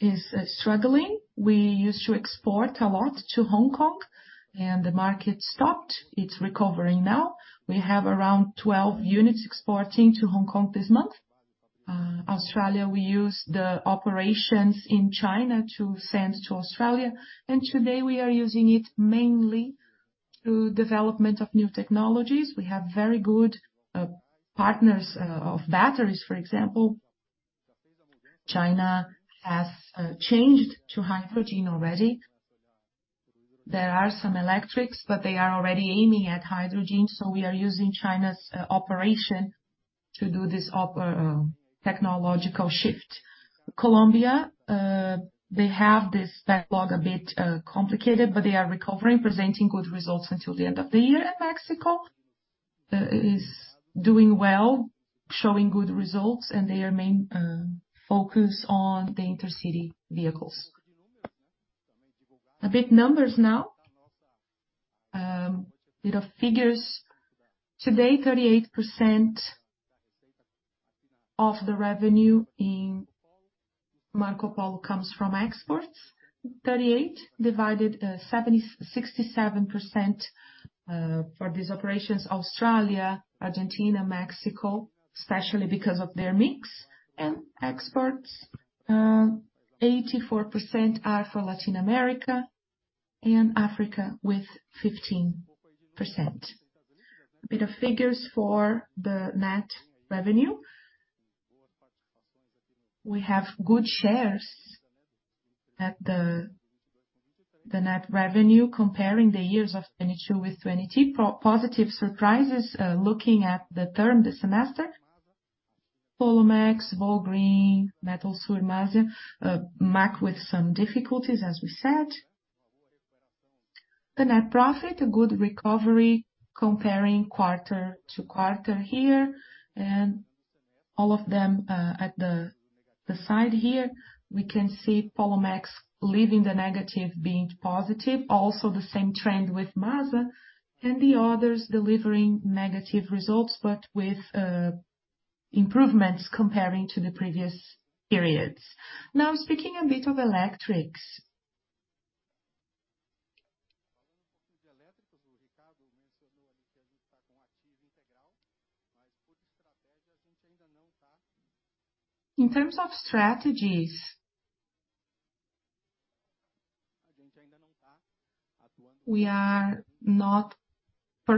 is struggling. We used to export a lot to Hong Kong, and the market stopped. It's recovering now. We have around 12 units exporting to Hong Kong this month. Australia, we use the operations in China to send to Australia, and today we are using it mainly through development of new technologies. We have very good partners of batteries, for example. China has changed to hydrogen already. There are some electrics, but they are already aiming at hydrogen, so we are using China's operation to do this technological shift. Colombia, they have this backlog a bit complicated, but they are recovering, presenting good results until the end of the year. And Mexico is doing well, showing good results, and their main focus on the intercity vehicles. A bit numbers now. Bit of figures. Today, 38% of the revenue in Marcopolo comes from exports. 38, divided, 70-- 67% for these operations, Australia, Argentina, Mexico, especially because of their mix and exports. 84% are for Latin America and Africa with 15%. A bit of figures for the net revenue. We have good shares at the, the net revenue, comparing the years of 2022 with 2022. Positive surprises, looking at the term, the semester. Polomex, Volgren, Metalsur, MASA, MAC with some difficulties, as we said. The net profit, a good recovery, comparing quarter to quarter here, and all of them, at the, the side here, we can see Polomex leaving the negative, being positive. Also, the same trend with MASA and the others delivering negative results, but with, improvements comparing to the previous periods. Now, speaking a bit of electrics. In terms of strategies, we are not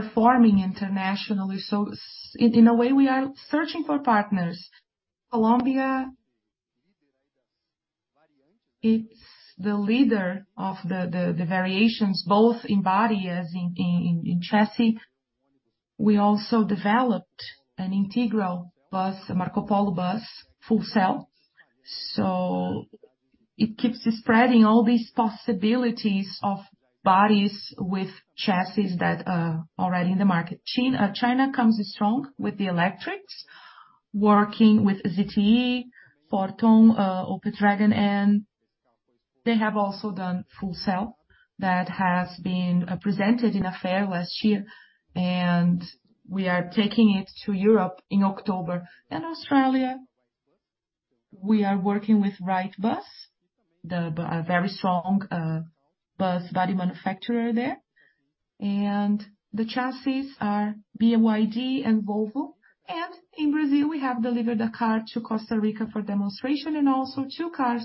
performing internationally, so in a way, we are searching for partners. Colombia, it's the leader of the variations, both in body, as in chassis. We also developed an integral bus, a Marcopolo bus, fuel cell, so it keeps spreading all these possibilities of bodies with chassis that are already in the market. China comes strong with the electrics, working with ZTE, Fortum, Opal Dragon, and they have also done fuel cell that has been presented in a fair last year, and we are taking it to Europe in October and Australia. We are working with Wrightbus, a very strong bus body manufacturer there, and the chassis are BYD and Volvo. In Brazil, we have delivered a car to Costa Rica for demonstration, and also two cars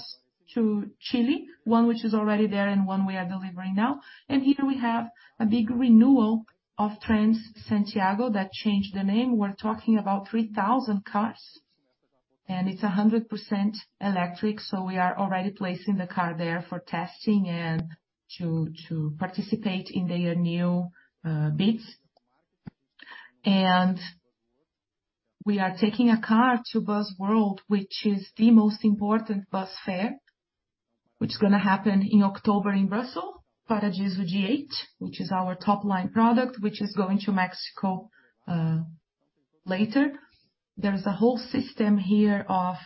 to Chile, one which is already there and one we are delivering now. Here we have a big renewal of Transantiago that changed the name. We're talking about 3,000 cars, and it's 100% electric, so we are already placing the car there for testing and to participate in their new bids. We are taking a car to Busworld, which is the most important bus fair, which is going to happen in October in Brussels, for the G8, which is our top line product, which is going to Mexico later. There is a whole system here of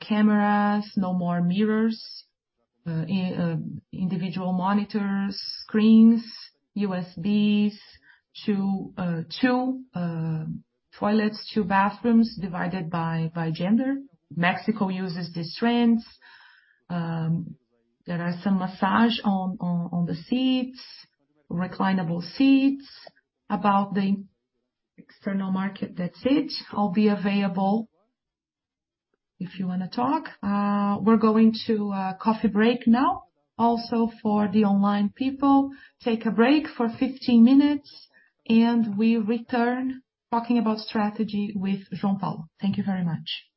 cameras, no more mirrors, individual monitors, screens, USBs, two toilets, two bathrooms, divided by gender. Mexico uses these trends. There are some messages on the seats, reclinable seats. About the external market, that's it. I'll be available if you want to talk. We're going to a coffee break now. Also for the online people, take a break for 15 minutes, and we return talking about strategy with João Paulo. Thank you very much...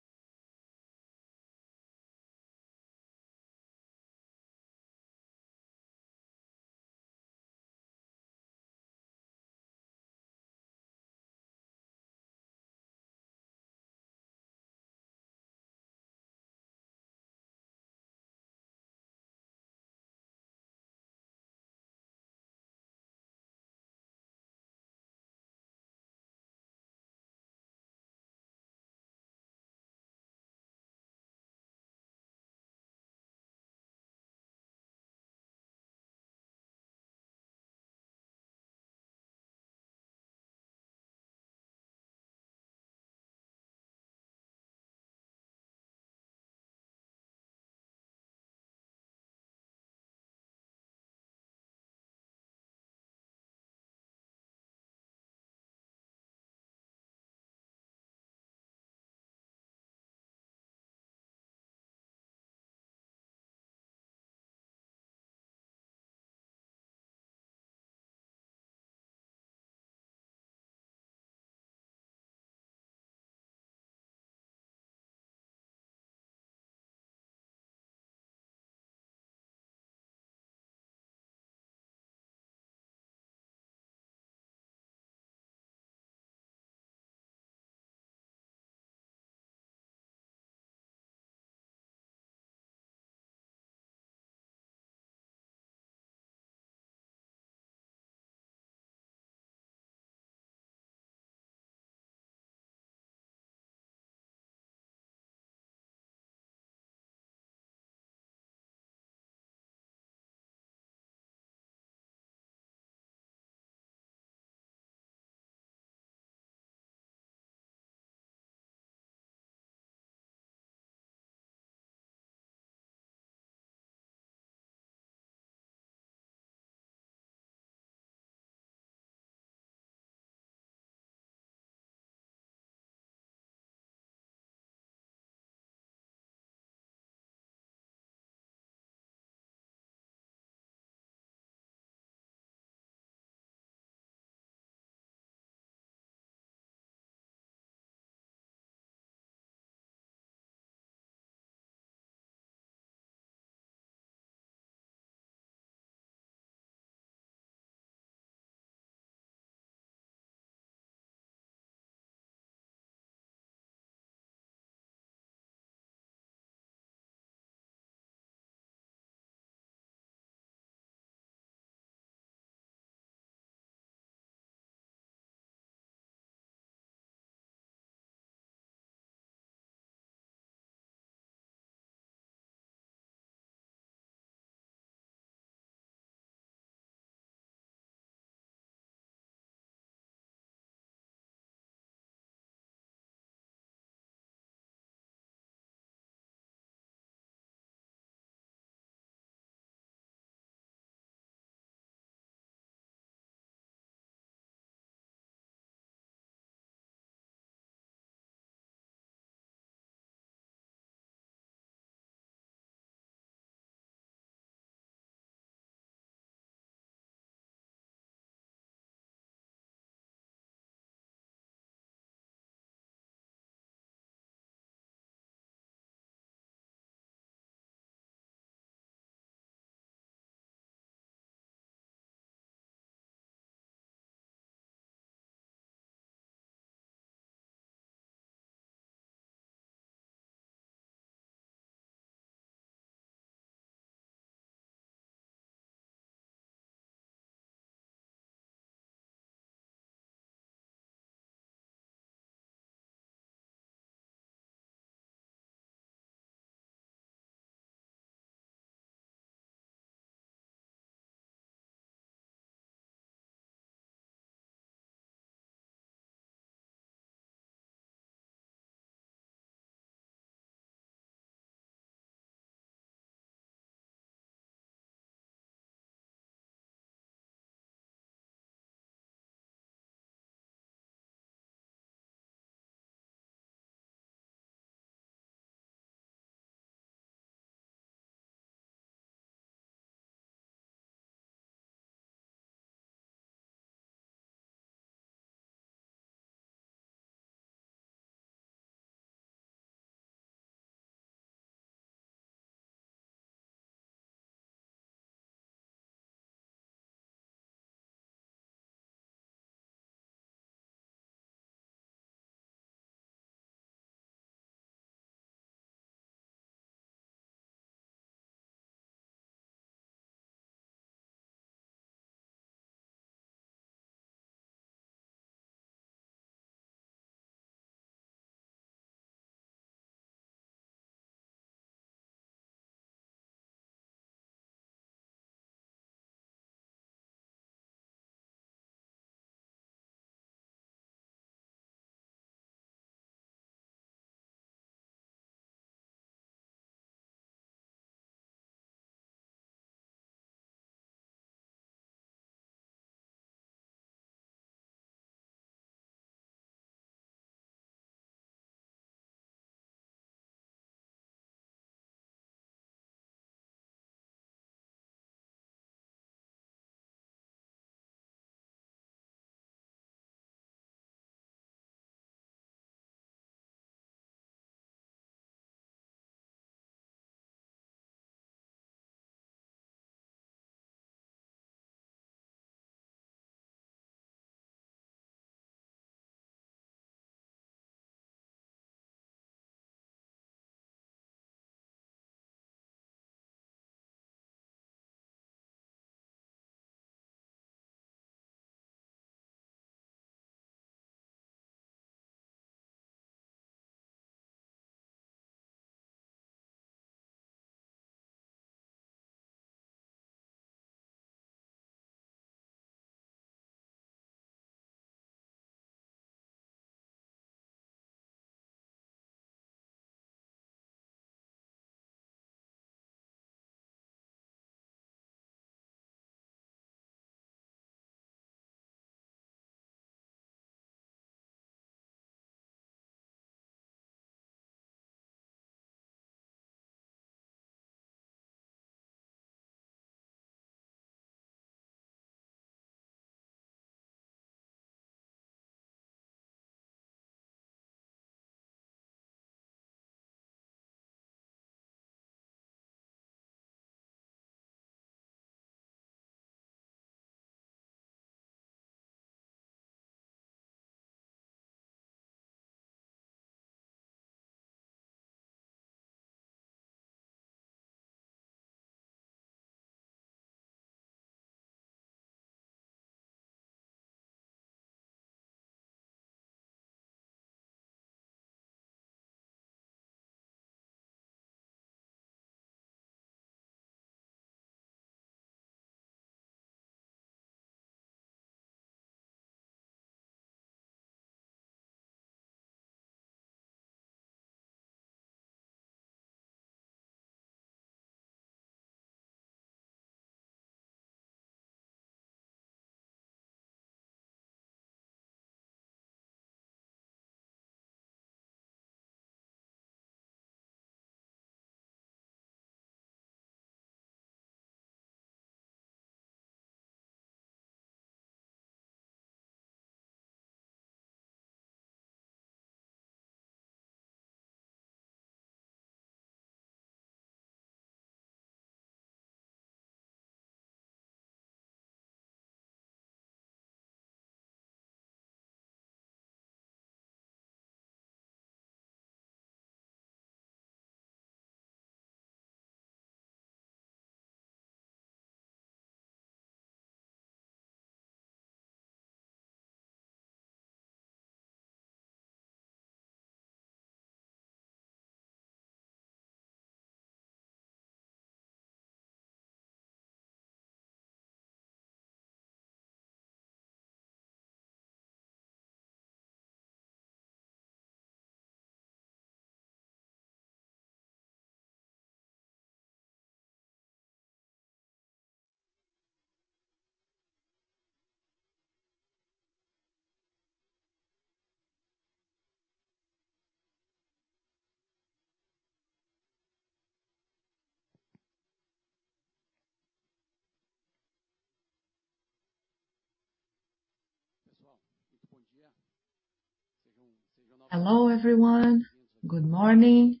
Hello, everyone. Good morning,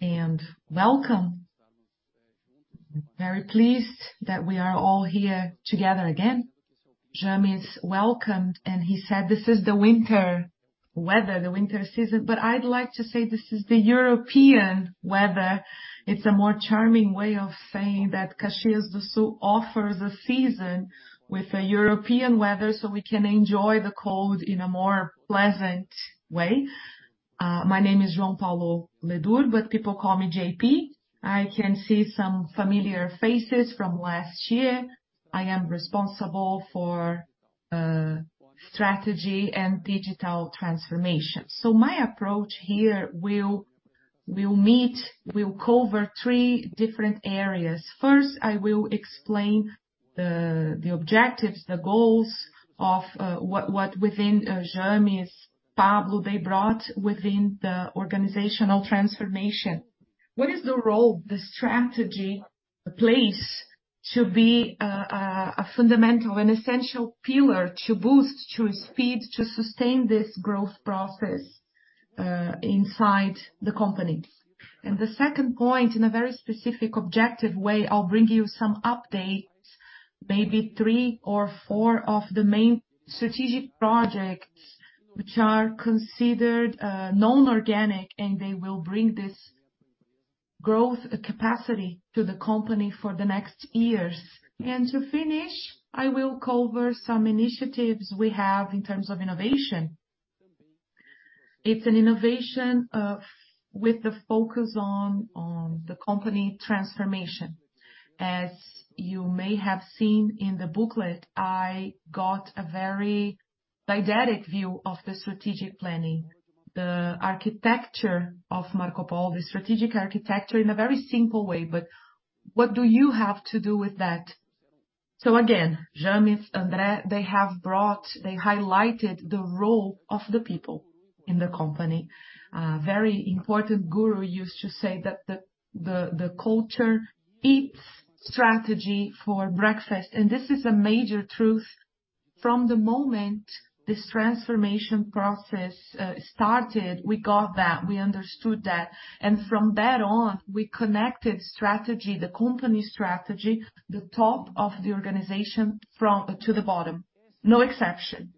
and welcome. I'm very pleased that we are all here together again. James welcomed, and he said, "This is the winter weather, the winter season," but I'd like to say this is the European weather. It's a more charming way of saying that Caxias do Sul offers a season with a European weather, so we can enjoy the cold in a more pleasant way. My name is João Paulo Ledur, but people call me JP. I can see some familiar faces from last year. I am responsible for strategy and digital transformation. So my approach here will cover three different areas. First, I will explain the objectives, the goals of what within James, Pablo, they brought within the organizational transformation. What is the role the strategy plays to be a fundamental and essential pillar to boost, to speed, to sustain this growth process inside the company? And the second point, in a very specific, objective way, I'll bring you some updates, maybe three or four of the main strategic projects, which are considered non-organic, and they will bring this growth capacity to the company for the next years. And to finish, I will cover some initiatives we have in terms of innovation. It's an innovation with the focus on the company transformation. As you may have seen in the booklet, I got a very didactic view of the strategic planning, the architecture of Marcopolo, the strategic architecture, in a very simple way, but what do you have to do with that? So again, James, André, they have brought, they highlighted the role of the people in the company. Very important guru used to say that the culture eats strategy for breakfast, and this is a major truth. From the moment this transformation process started, we got that, we understood that, and from then on, we connected strategy, the company strategy, the top of the organization from... to the bottom, no exception.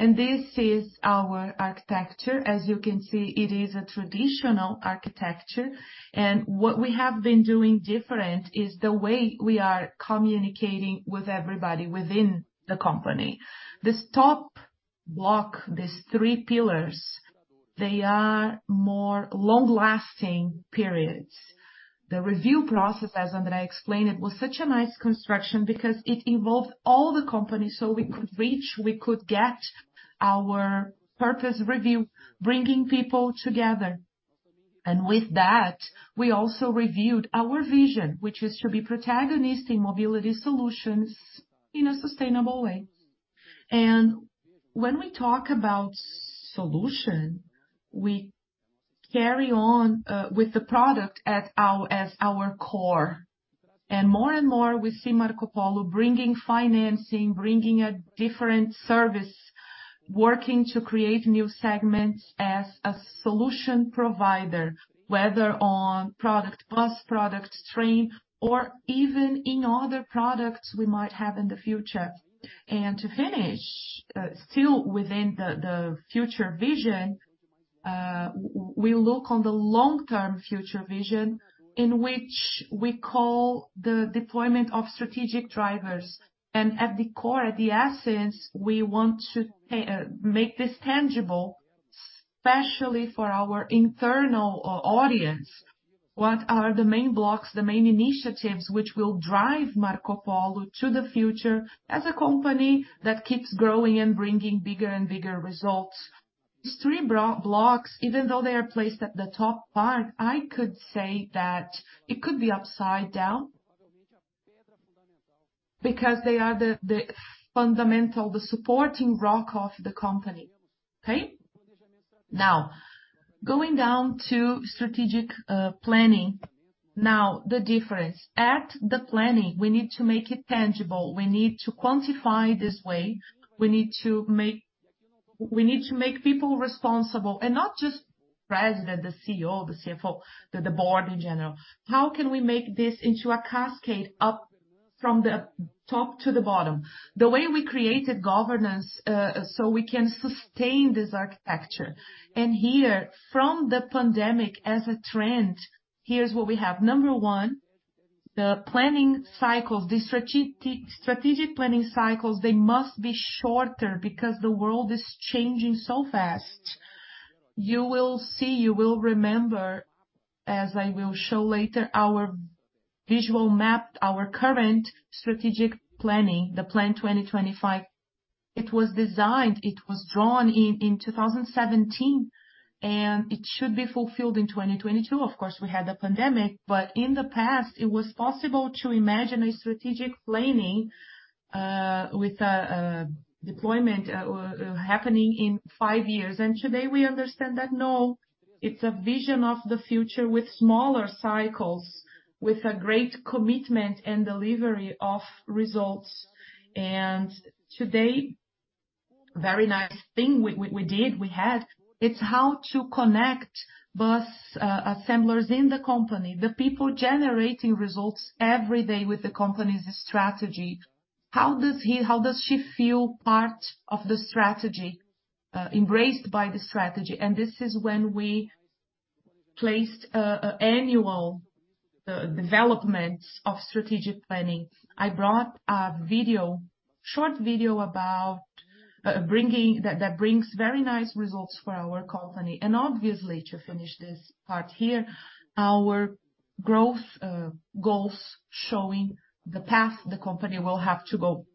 And this is our architecture. As you can see, it is a traditional architecture, and what we have been doing different is the way we are communicating with everybody within the company. This top block, these three pillars, they are more long-lasting periods. The review process, as André explained, it was such a nice construction because it involved all the company, so we could reach, we could get our purpose review, bringing people together. And with that, we also reviewed our vision, which is to be protagonist in mobility solutions in a sustainable way. And when we talk about solution, we carry on with the product as our, as our core. And more and more, we see Marcopolo bringing financing, bringing a different service, working to create new segments as a solution provider, whether on product bus, product train, or even in other products we might have in the future. And to finish, still within the future vision, we look on the long-term future vision, in which we call the deployment of strategic drivers. At the core, at the essence, we want to make this tangible, especially for our internal audience. What are the main blocks, the main initiatives, which will drive Marcopolo to the future as a company that keeps growing and bringing bigger and bigger results? These three blocks, even though they are placed at the top part, I could say that it could be upside down, because they are the fundamental, the supporting rock of the company. Okay? Now, going down to strategic planning. Now, the difference. At the planning, we need to make it tangible, we need to quantify this way, we need to make people responsible, and not just the President, the CEO, the CFO, the board in general. How can we make this into a cascade up from the top to the bottom? The way we created governance, so we can sustain this architecture. Here, from the pandemic as a trend, here's what we have. One, the planning cycles, the strategic, strategic planning cycles, they must be shorter because the world is changing so fast. You will see, you will remember, as I will show later, our visual map, our current strategic planning, the Plan 2025, it was designed, it was drawn in, in 2017, and it should be fulfilled in 2022. Of course, we had the pandemic, but in the past, it was possible to imagine a strategic planning, with a deployment, happening in five years. Today, we understand that, no, it's a vision of the future with smaller cycles, with a great commitment and delivery of results. Today, very nice thing we did, it's how to connect bus assemblers in the company, the people generating results every day with the company's strategy. How does he, how does she feel part of the strategy, embraced by the strategy? This is when we placed an annual development of strategic planning. I brought a short video about bringing that brings very nice results for our company. Obviously, to finish this part here, our growth goals showing the path the company will have to go.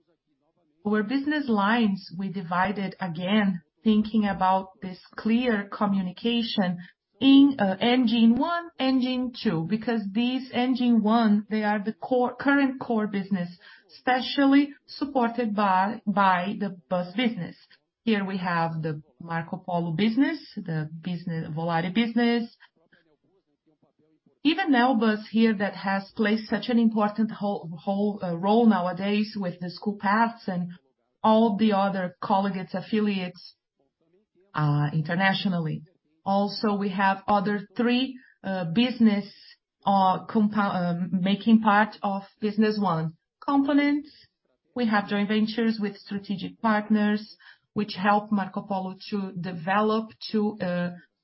Our business lines, we divided, again, thinking about this clear communication in Engine One, Engine Two, because these Engine One, they are the core current core business, especially supported by the bus business. Here we have the Marcopolo business, the Volare business. Even now, bus here that has played such an important role nowadays with the school paths and all the other colleagues, affiliates, internationally. Also, we have other three business components making part of business one. Components. We have joint ventures with strategic partners, which help Marcopolo to develop, to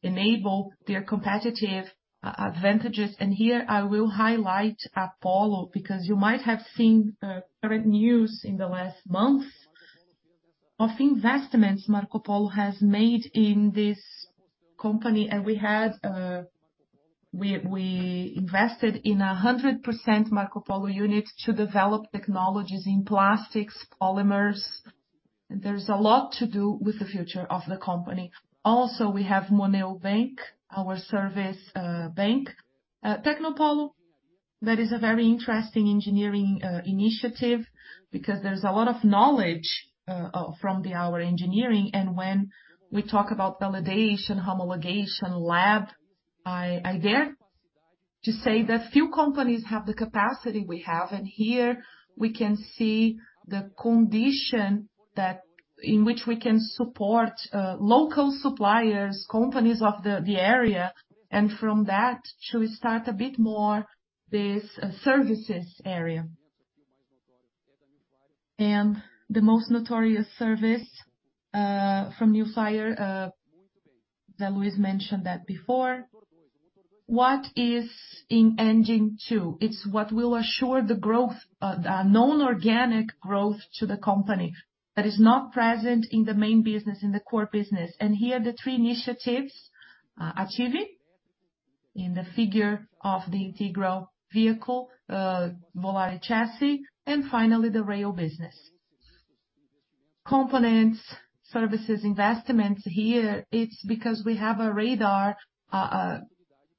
enable their competitive advantages. Here, I will highlight MVC, because you might have seen current news in the last months of investments Marcopolo has made in this company. And we invested in 100% Marcopolo units to develop technologies in plastics, polymers. There's a lot to do with the future of the company. Also, we have Banco Moneo, our service bank. Technopolo, that is a very interesting engineering initiative, because there's a lot of knowledge from our engineering. When we talk about validation, homologation lab, I dare to say that few companies have the capacity we have. Here we can see the condition that in which we can support local suppliers, companies of the area, and from that, to start a bit more this services area. The most notorious service from New Flyer that Luis mentioned before. What is in Engine Two? It's what will assure the growth, the non-organic growth to the company, that is not present in the main business, in the core business. Here, the three initiatives, ATTIVi, in the figure of the integral vehicle, Volare Chassis, and finally, the rail business. Components, services, investments, here, it's because we have a radar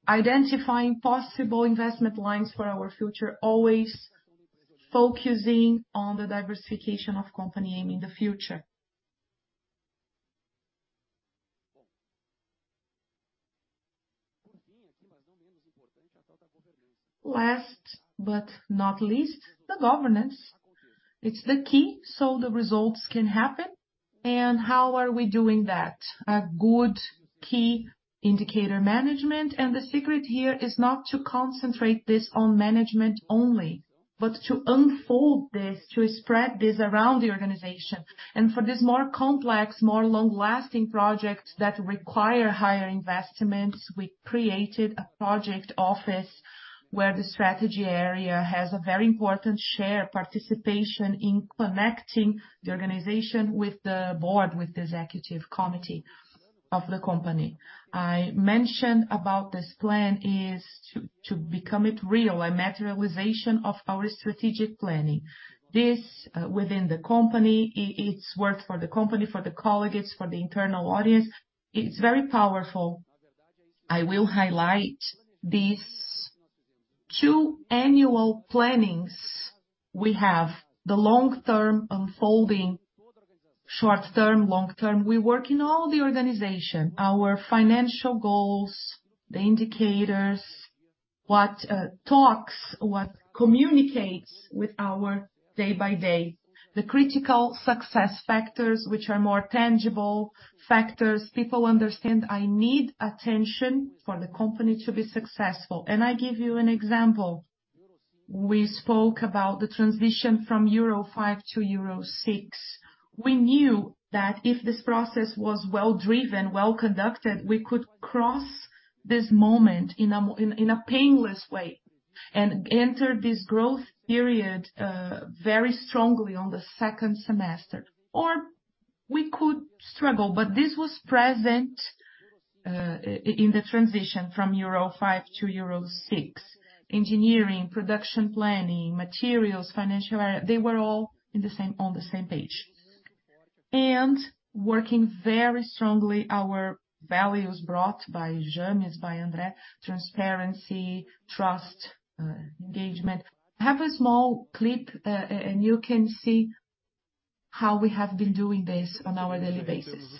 identifying possible investment lines for our future, always focusing on the diversification of company aim in the future. Last but not least, the governance. It's the key, so the results can happen. How are we doing that? A good key indicator management, and the secret here is not to concentrate this on management only, but to unfold this, to spread this around the organization. For this more complex, more long-lasting projects that require higher investments, we created a project office, where the strategy area has a very important share, participation in connecting the organization with the board, with the executive committee of the company. I mentioned about this plan is to, to become it real, a materialization of our strategic planning. This within the company, it's worth for the company, for the colleagues, for the internal audience. It's very powerful. I will highlight these two annual plannings we have: the long term unfolding, short term, long term. We work in all the organization, our financial goals, the indicators, what talks, what communicates with our day-by-day. The critical success factors, which are more tangible factors. People understand I need attention for the company to be successful. And I give you an example. We spoke about the transition from Euro V to Euro VI. We knew that if this process was well driven, well conducted, we could cross this moment in a more in a painless way, and enter this growth period very strongly on the second semester, or we could struggle. But this was present in the transition from Euro V to Euro VI. Engineering, production, planning, materials, financial, they were all in the same on the same page. And working very strongly, our values brought by James, by André, transparency, trust, engagement. I have a small clip, and you can see how we have been doing this on our daily basis.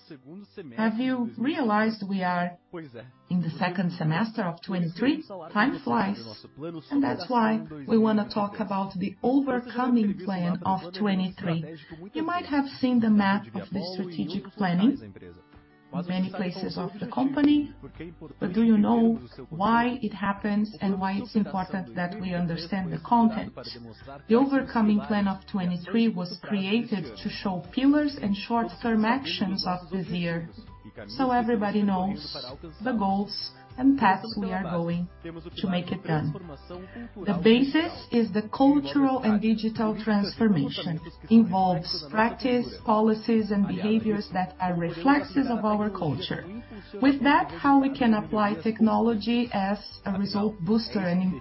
Have you realized we are in the second semester of 2023? Time flies, and that's why we wanna talk about the overcoming plan of 2023. You might have seen the map of the strategic planning, many places of the company, but do you know why it happens and why it's important that we understand the content? The overcoming plan of 2023 was created to show pillars and short-term actions of this year, so everybody knows the goals and paths we are going to make it done. The basis is the cultural and digital transformation, involves practice, policies, and behaviors that are reflexes of our culture. With that, how we can apply technology as a result booster and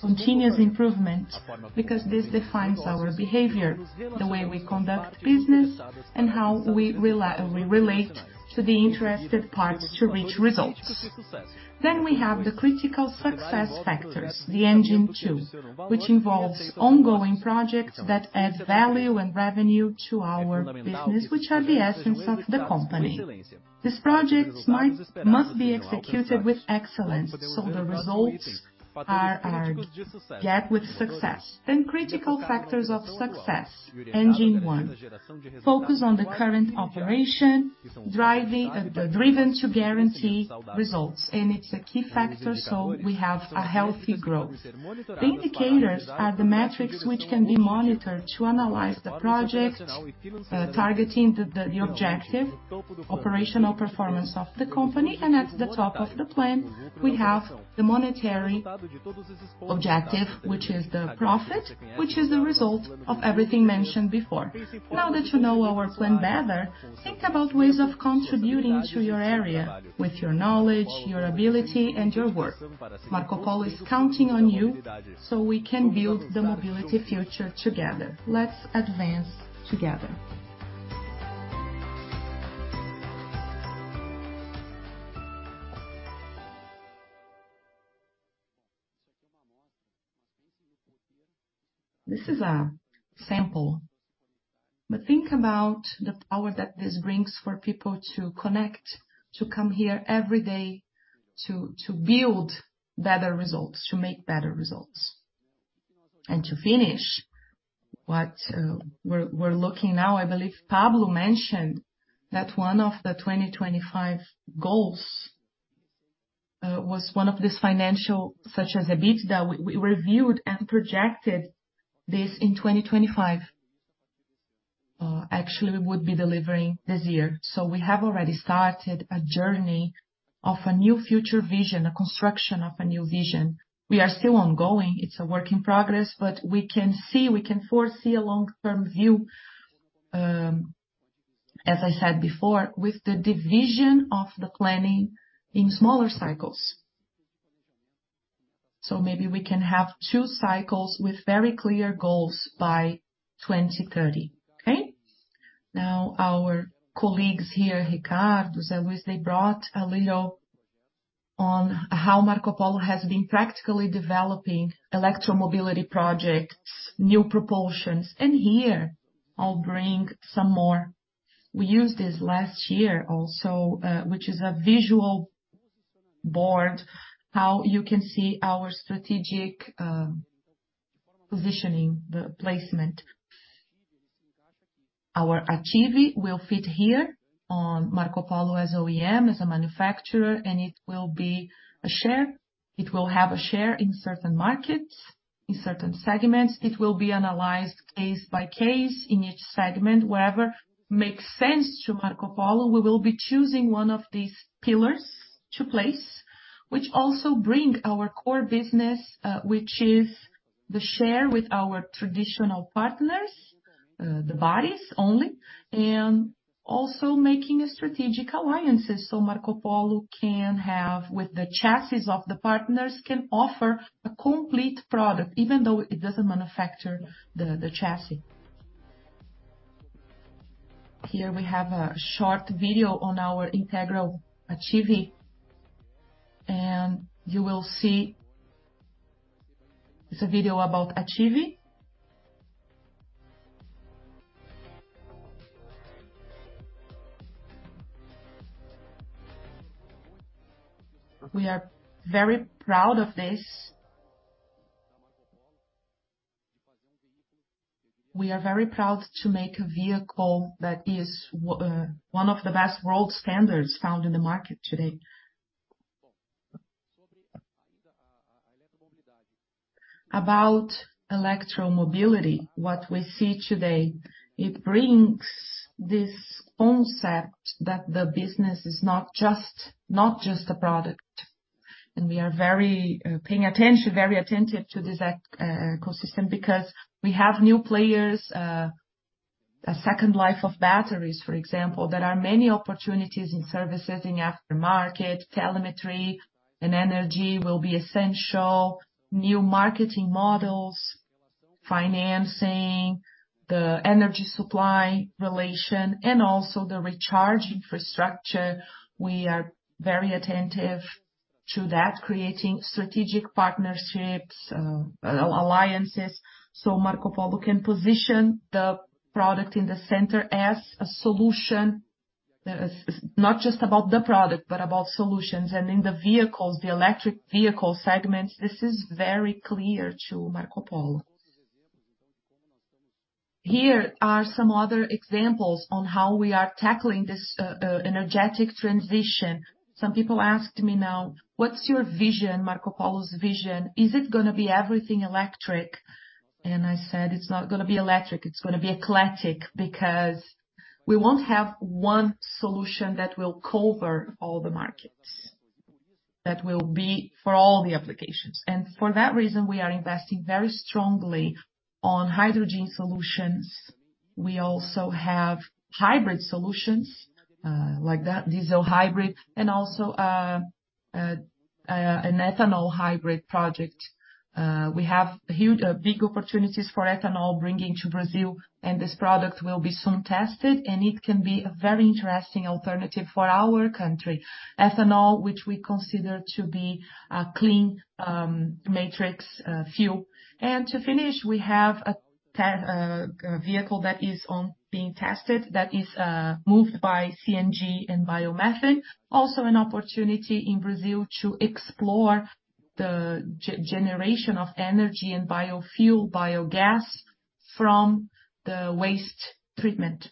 continuous improvement, because this defines our behavior, the way we conduct business, and how we relate to the interested parties to reach results. Then we have the critical success factors, the Engine Two, which involves ongoing projects that add value and revenue to our business, which are the essence of the company. These projects must be executed with excellence, so the results are gotten with success. Then critical factors of success, Engine One. Focus on the current operation, driven to guarantee results, and it's a key factor, so we have a healthy growth. The indicators are the metrics which can be monitored to analyze the projects targeting the objective operational performance of the company, and at the top of the plan, we have the monetary objective, which is the profit, which is the result of everything mentioned before. Now that you know our plan better, think about ways of contributing to your area with your knowledge, your ability, and your work. Marcopolo is counting on you, so we can build the mobility future together. Let's advance together. This is a sample, but think about the power that this brings for people to connect, to come here every day, to build better results, to make better results. And to finish, we're looking now. I believe Pablo mentioned that one of the 2025 goals was one of these financial, such as the EBITDA. We reviewed and projected this in 2025. Actually, we would be delivering this year. So we have already started a journey of a new future vision, a construction of a new vision. We are still ongoing. It's a work in progress, but we can see, we can foresee a long-term view, as I said before, with the division of the planning in smaller cycles. So maybe we can have two cycles with very clear goals by 2030. Okay? Now, our colleagues here, Ricardo, Luis, they brought on how Marcopolo has been practically developing electromobility projects, new propulsions. And here, I'll bring some more. We used this last year also, which is a visual board, how you can see our strategic, positioning, the placement. Our ATTIVi will fit here on Marcopolo as OEM, as a manufacturer, and it will be a share. It will have a share in certain markets, in certain segments. It will be analyzed case by case in each segment. Wherever makes sense to Marcopolo, we will be choosing one of these pillars to place, which also bring our core business, which is the share with our traditional partners, the bodies only, and also making a strategic alliances. So Marcopolo can have, with the chassis of the partners, can offer a complete product, even though it doesn't manufacture the chassis. Here we have a short video on our Integral ATTIVi, and you will see it's a video about ATTIVi. We are very proud of this. We are very proud to make a vehicle that is one of the best world standards found in the market today. About electromobility, what we see today, it brings this concept that the business is not just, not just a product, and we are very paying attention, very attentive to this ecosystem because we have new players, a second life of batteries, for example. There are many opportunities in services, in aftermarket. Telemetry and energy will be essential. New marketing models, financing, the energy supply relation, and also the recharge infrastructure. We are very attentive to that, creating strategic partnerships, alliances, so Marcopolo can position the product in the center as a solution. Not just about the product, but about solutions. And in the vehicles, the electric vehicle segments, this is very clear to Marcopolo. Here are some other examples on how we are tackling this, energetic transition. Some people asked me now: "What's your vision, Marcopolo's vision? Is it gonna be everything electric?" And I said, "It's not gonna be electric, it's gonna be eclectic," because we won't have one solution that will cover all the markets, that will be for all the applications. And for that reason, we are investing very strongly on hydrogen solutions. We also have hybrid solutions, like that, diesel hybrid, and also, an ethanol hybrid project. We have huge, big opportunities for ethanol bringing to Brazil, and this product will be soon tested, and it can be a very interesting alternative for our country, ethanol, which we consider to be a clean, matrix, fuel. And to finish, we have a vehicle that is on being tested, that is, moved by CNG and biomethane. Also an opportunity in Brazil to explore the generation of energy and biofuel, biogas, from the waste treatment.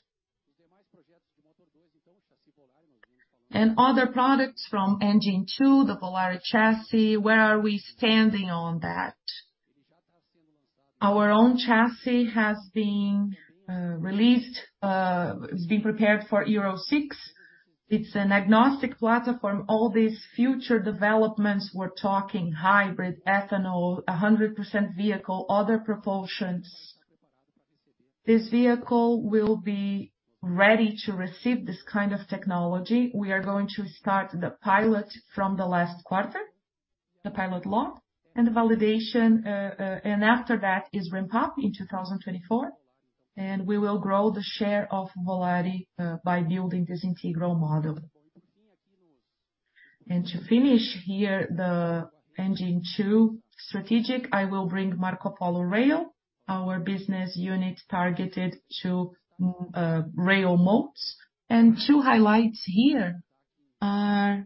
And other products from Engine Two, the Volare Chassis. Where are we standing on that? Our own chassis has been released, it's being prepared for Euro VI. It's an agnostic platform. All these future developments, we're talking hybrid, ethanol, 100% vehicle, other propulsions. This vehicle will be ready to receive this kind of technology. We are going to start the pilot from the last quarter, the pilot launch and the validation. And after that is ramp up in 2024, and we will grow the share of Volare by building this integral model. And to finish here, the Engine Two strategic, I will bring Marcopolo Rail, our business unit targeted to rail modes. And two highlights here are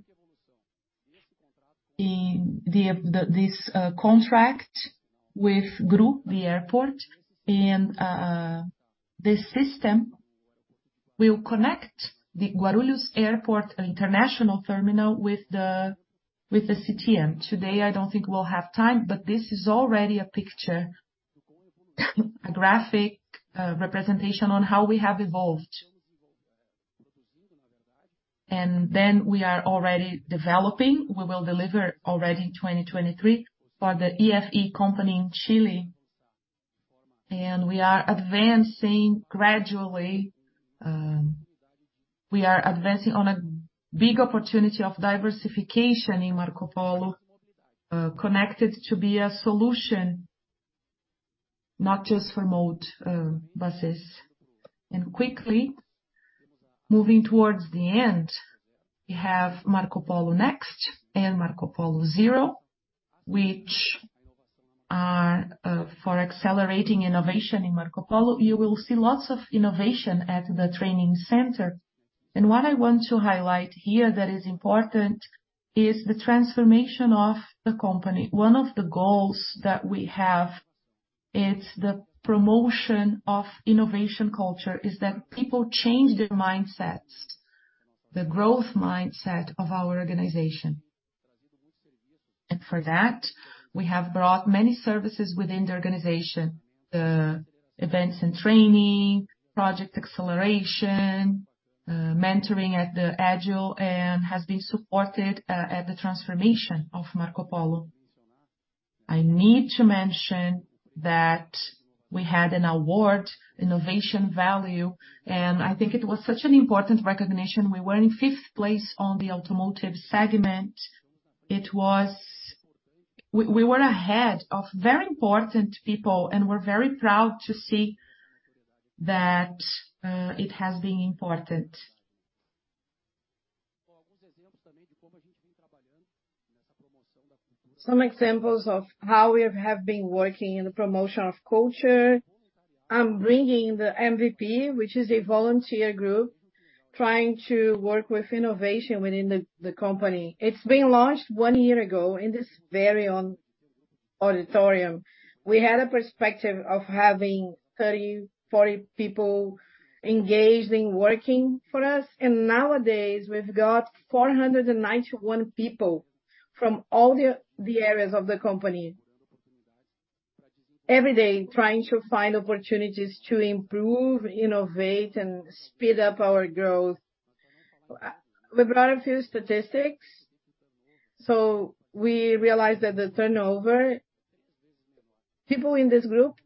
in this contract with GRU, the airport. And this system will connect the Guarulhos Airport International Terminal with the CPT M. Today, I don't think we'll have time, but this is already a picture, a graphic representation on how we have evolved. And then we are already developing, we will deliver already in 2023 for the EFE company in Chile. And we are advancing gradually, we are advancing on a big opportunity of diversification in Marcopolo, connected to be a solution-... not just for mode, buses. And quickly, moving towards the end, we have Marcopolo Next and Marcopolo Zero, which are, for accelerating innovation in Marcopolo. You will see lots of innovation at the training center. And what I want to highlight here that is important, is the transformation of the company. One of the goals that we have, it's the promotion of innovation culture, is that people change their mindsets, the growth mindset of our organization. And for that, we have brought many services within the organization. The events and training, project acceleration, mentoring at the agile, and has been supported, at the transformation of Marcopolo. I need to mention that we had an award, innovation value, and I think it was such an important recognition. We were in fifth place on the automotive segment. We were ahead of very important people, and we're very proud to see that it has been important. Some examples of how we have been working in the promotion of culture. I'm bringing the MVP, which is a volunteer group, trying to work with innovation within the company. It's been launched one year ago in this very own auditorium. We had a perspective of having 30, 40 people engaged in working for us, and nowadays, we've got 491 people from all the areas of the company. Every day, trying to find opportunities to improve, innovate, and speed up our growth. We brought a few statistics, so we realized that the turnover, people in this group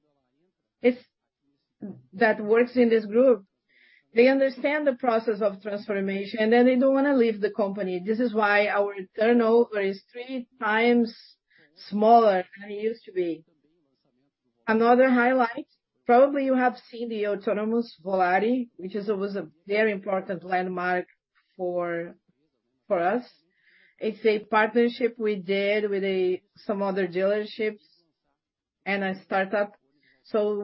that works in this group, they understand the process of transformation, and then they don't want to leave the company. This is why our turnover is 3x smaller than it used to be. Another highlight, probably you have seen the autonomous Volare, which is, it was a very important landmark for us. It's a partnership we did with some other dealerships and a start-up. So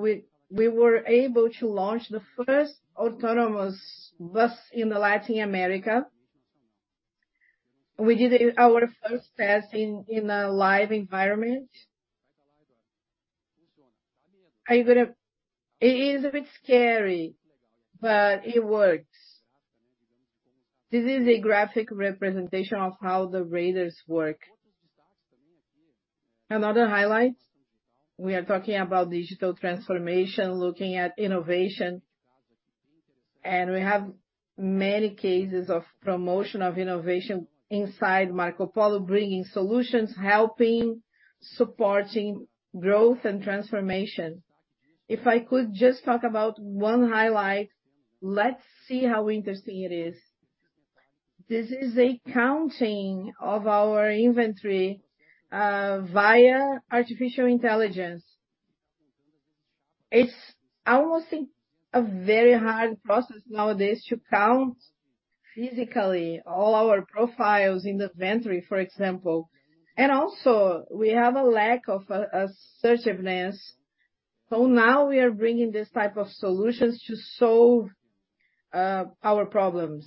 we were able to launch the first autonomous bus in Latin America. We did our first test in a live environment. Are you gonna? It is a bit scary, but it works. This is a graphic representation of how the radars work. Another highlight, we are talking about digital transformation, looking at innovation, and we have many cases of promotion of innovation inside Marcopolo, bringing solutions, helping, supporting growth and transformation. If I could just talk about one highlight, let's see how interesting it is. This is a counting of our inventory via artificial intelligence. It's almost a very hard process nowadays to count physically all our profiles in the inventory, for example. And also, we have a lack of assertiveness. So now we are bringing this type of solutions to solve our problems,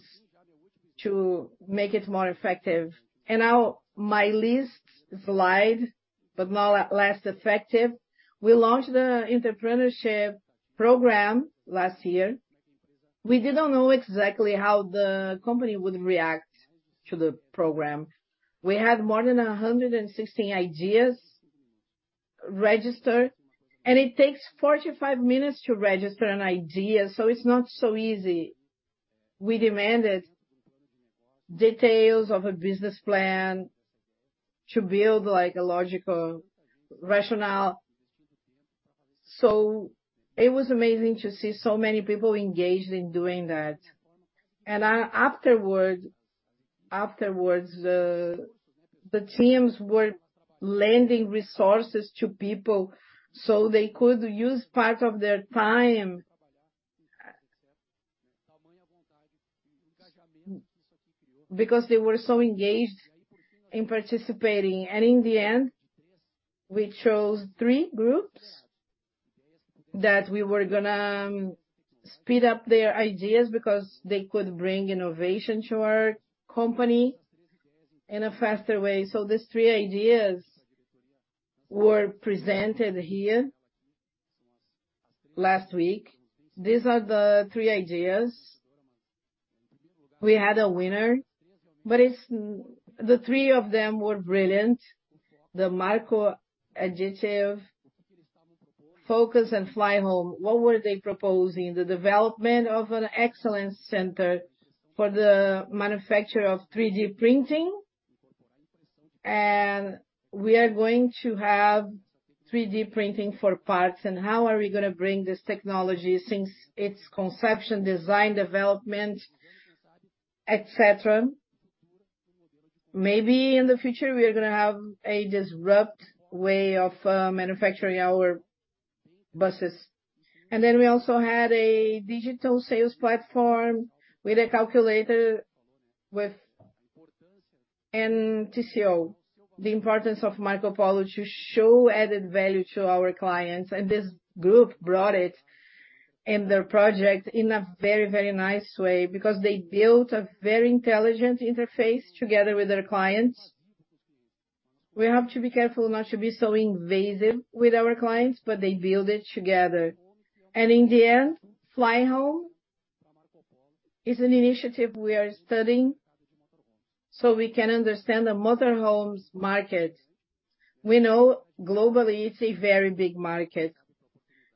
to make it more effective. And now, my least slide, but not less effective. We launched the entrepreneurship program last year. We didn't know exactly how the company would react to the program. We had more than 116 ideas registered, and it takes 45 minutes to register an idea, so it's not so easy. We demanded details of a business plan to build, like, a logical rationale. So it was amazing to see so many people engaged in doing that. Afterward, the teams were lending resources to people, so they could use part of their time, because they were so engaged in participating. In the end, we chose three groups that we were gonna speed up their ideas because they could bring innovation to our company in a faster way. These three ideas were presented here last week. These are the three ideas. We had a winner, but it's the three of them were brilliant. The Marcopolo Additive, Focus and Fly Home. What were they proposing? The development of an excellence center for the manufacture of 3D printing, and we are going to have 3D printing for parts. And how are we going to bring this technology since its conception, design, development, et cetera? Maybe in the future, we are gonna have a disrupt way of manufacturing our buses. And then we also had a digital sales platform with a calculator, with NTC0. The importance of Marcopolo to show added value to our clients, and this group brought it in their project in a very, very nice way, because they built a very intelligent interface together with their clients. We have to be careful not to be so invasive with our clients, but they build it together. And in the end, Fly Home is an initiative we are studying so we can understand the motor homes market. We know globally, it's a very big market.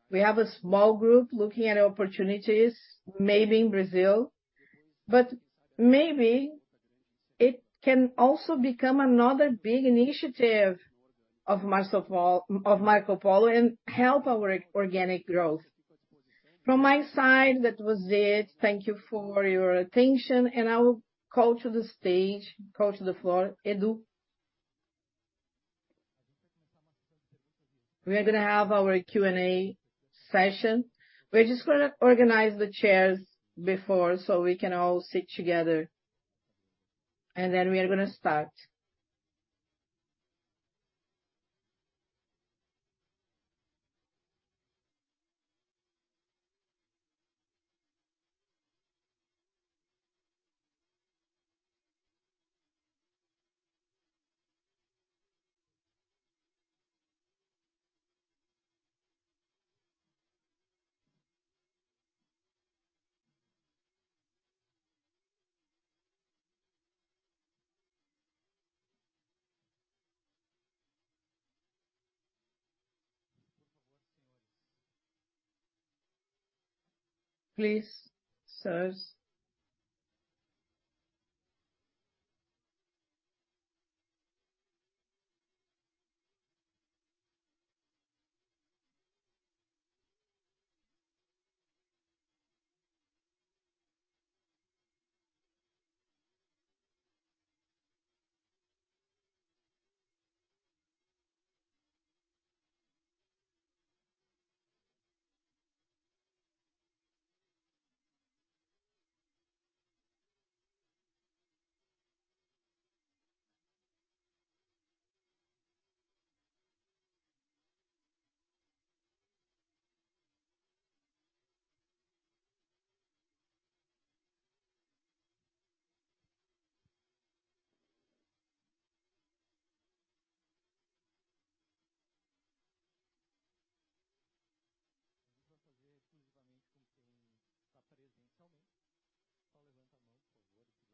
We have a small group looking at opportunities, maybe in Brazil, but maybe it can also become another big initiative of Marcopolo—of Marcopolo, and help our organic growth. From my side, that was it. Thank you for your attention, and I will call to the stage—call to the floor, Edu. We are gonna have our Q&A session. We're just gonna organize the chairs before, so we can all sit together, and then we are gonna start. Please, sirs.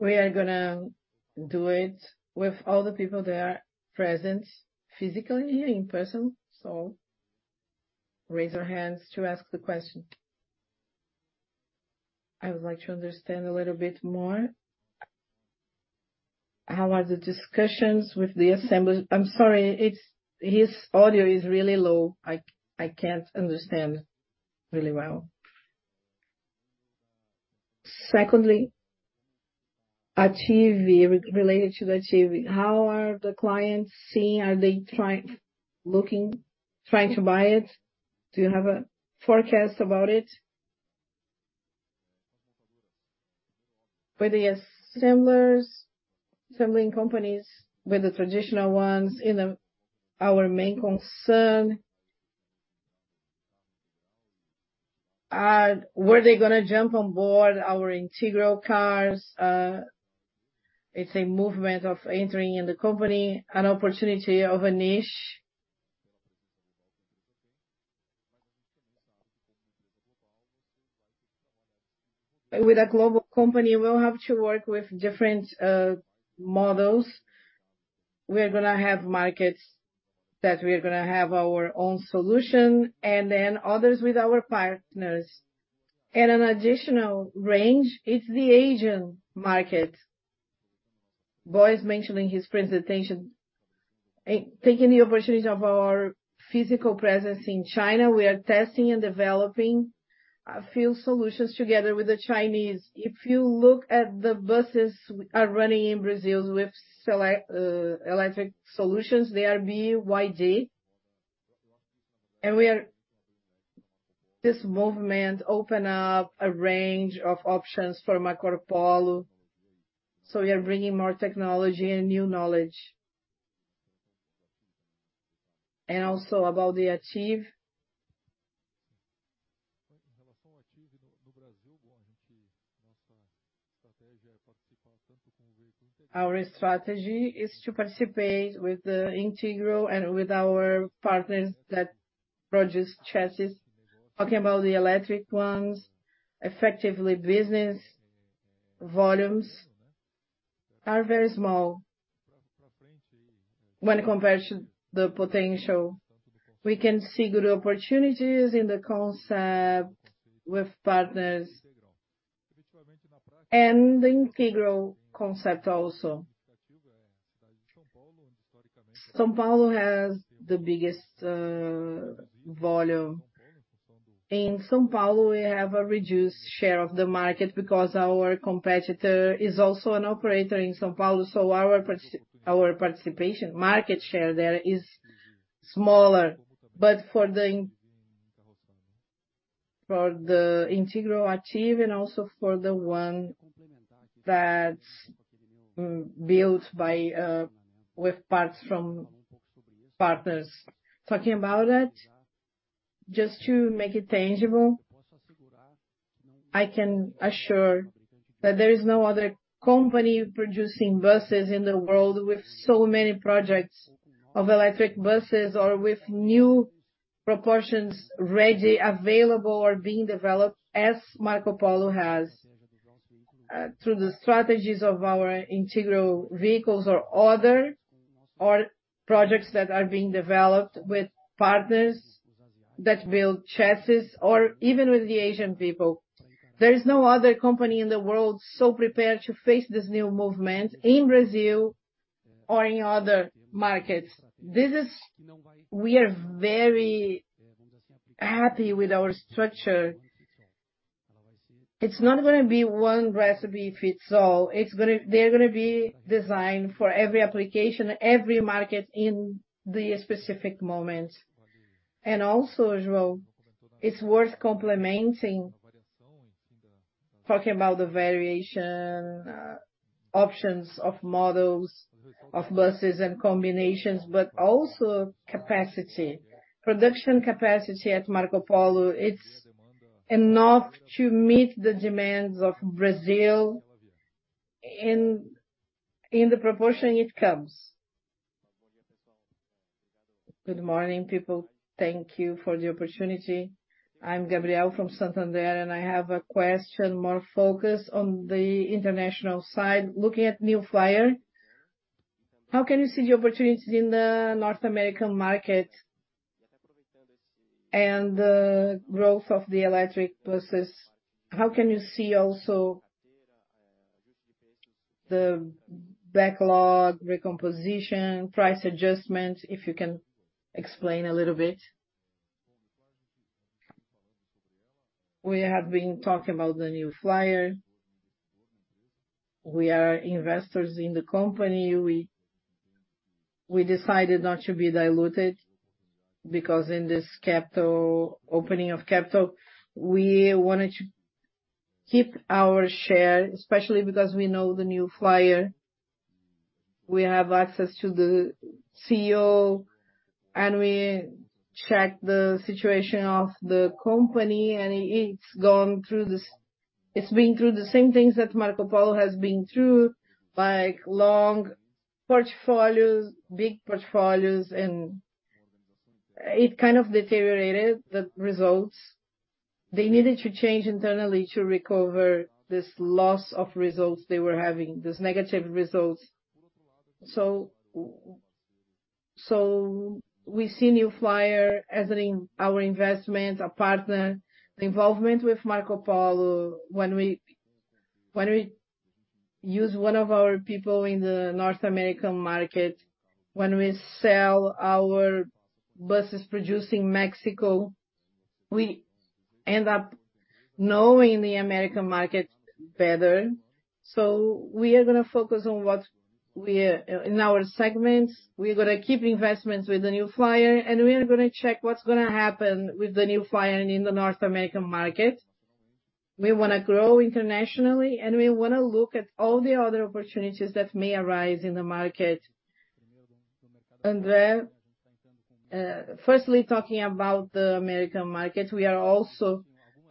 We are gonna do it with all the people that are present, physically, in person. So raise your hands to ask the question. I would like to understand a little bit more, how are the discussions with the assembly? I'm sorry, it's his audio is really low. I, I can't understand really well. Secondly, ATTIVi, related to the ATTIVi, how are the clients seeing? Are they trying looking, trying to buy it? Do you have a forecast about it? With the assemblers, assembling companies, with the traditional ones in the... Our main concern, were they gonna jump on board our integral cars? It's a movement of entering in the company, an opportunity of a niche. With a global company, we'll have to work with different models. We are gonna have markets that we are gonna have our own solution, and then others with our partners. And an additional range, it's the Asian market, as in his presentation. Taking the opportunity of our physical presence in China, we are testing and developing a few solutions together with the Chinese. If you look at the buses are running in Brazil with electric solutions, they are BYD. And this movement open up a range of options for Marcopolo, so we are bringing more technology and new knowledge. And also about the ATTIVi. Our strategy is to participate with the Integrale and with our partners that produce chassis. Talking about the electric ones, effectively, business volumes are very small when compared to the potential. We can see good opportunities in the concept with partners and the Integral concept also. São Paulo has the biggest volume in São Paulo, we have a reduced share of the market because our competitor is also an operator in São Paulo, so our participation, market share there is smaller. But for the, for the integral chassis, and also for the one that's built with parts from partners. Talking about it, just to make it tangible, I can assure that there is no other company producing buses in the world with so many projects of electric buses or with new propulsion ready, available, or being developed as Marcopolo has. Through the strategies of our integral vehicles or other, or projects that are being developed with partners that build chassis or even with the Asian people. There is no other company in the world so prepared to face this new movement in Brazil or in other markets. This is - we are very happy with our structure. It's not gonna be one recipe fits all. It's gonna - they're gonna be designed for every application, every market in the specific moment. And also, João, it's worth complimenting, talking about the variation, options of models, of buses and combinations, but also capacity. Production capacity at Marcopolo, it's enough to meet the demands of Brazil in, in the proportion it comes. Good morning, people. Thank you for the opportunity. I'm Gabriel from Santander, and I have a question more focused on the international side. Looking at New Flyer, how can you see the opportunities in the North American market and the growth of the electric buses? How can you see also the backlog, recomposition, price adjustments, if you can explain a little bit? We have been talking about the New Flyer. We are investors in the company. We, we decided not to be diluted, because in this capital opening of capital, we wanted to keep our share, especially because we know the New Flyer. We have access to the CEO, and we checked the situation of the company, and it's gone through this, it's been through the same things that Marcopolo has been through, like long portfolios, big portfolios, and it kind of deteriorated the results. They needed to change internally to recover this loss of results they were having, this negative results. So, so we see New Flyer as an in our investment, a partner. The involvement with Marcopolo, when we use one of our people in the North American market, when we sell our buses produced in Mexico, we end up knowing the American market better. So we are gonna focus on what we are in our segments. We're gonna keep investments with the New Flyer, and we are gonna check what's gonna happen with the New Flyer in the North American market. We wanna grow internationally, and we wanna look at all the other opportunities that may arise in the market. André, firstly, talking about the American market, we are also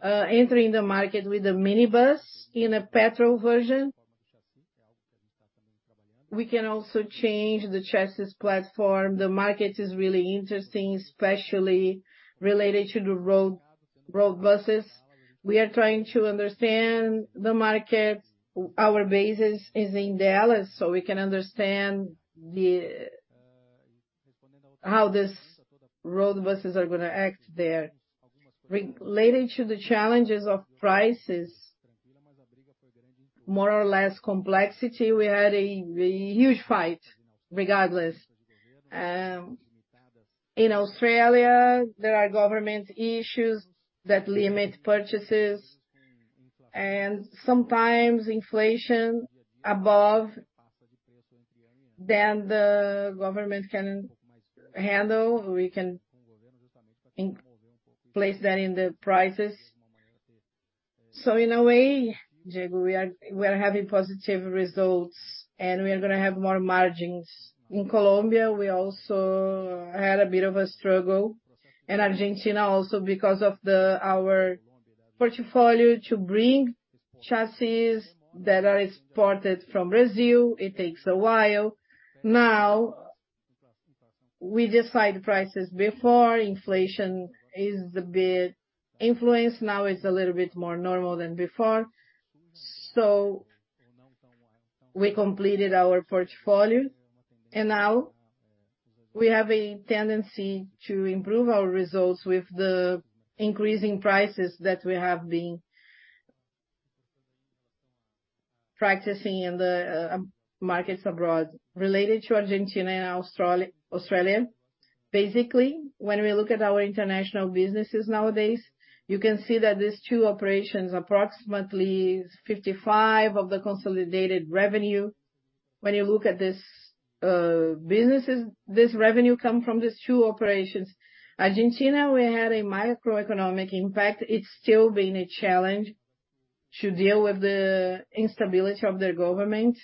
entering the market with a minibus in a petrol version. We can also change the chassis platform. The market is really interesting, especially related to the road buses. We are trying to understand the market. Our basis is in Dallas, so we can understand how these road buses are gonna act there. Related to the challenges of prices, more or less complexity, we had a huge fight regardless. In Australia, there are government issues that limit purchases, and sometimes inflation above than the government can handle. We can in place that in the prices. So in a way, Diego, we are having positive results, and we are gonna have more margins. In Colombia, we also had a bit of a struggle, and Argentina also, because of our portfolio to bring chassis that are exported from Brazil, it takes a while. Now, we decide prices before. Inflation is a bit influenced. Now, it's a little bit more normal than before. So we completed our portfolio, and now we have a tendency to improve our results with the increasing prices that we have been practicing in the markets abroad. Related to Argentina and Australia, basically, when we look at our international businesses nowadays, you can see that these two operations, approximately 55 of the consolidated revenue. When you look at this businesses, this revenue come from these two operations. Argentina, we had a microeconomic impact. It's still been a challenge to deal with the instability of their government.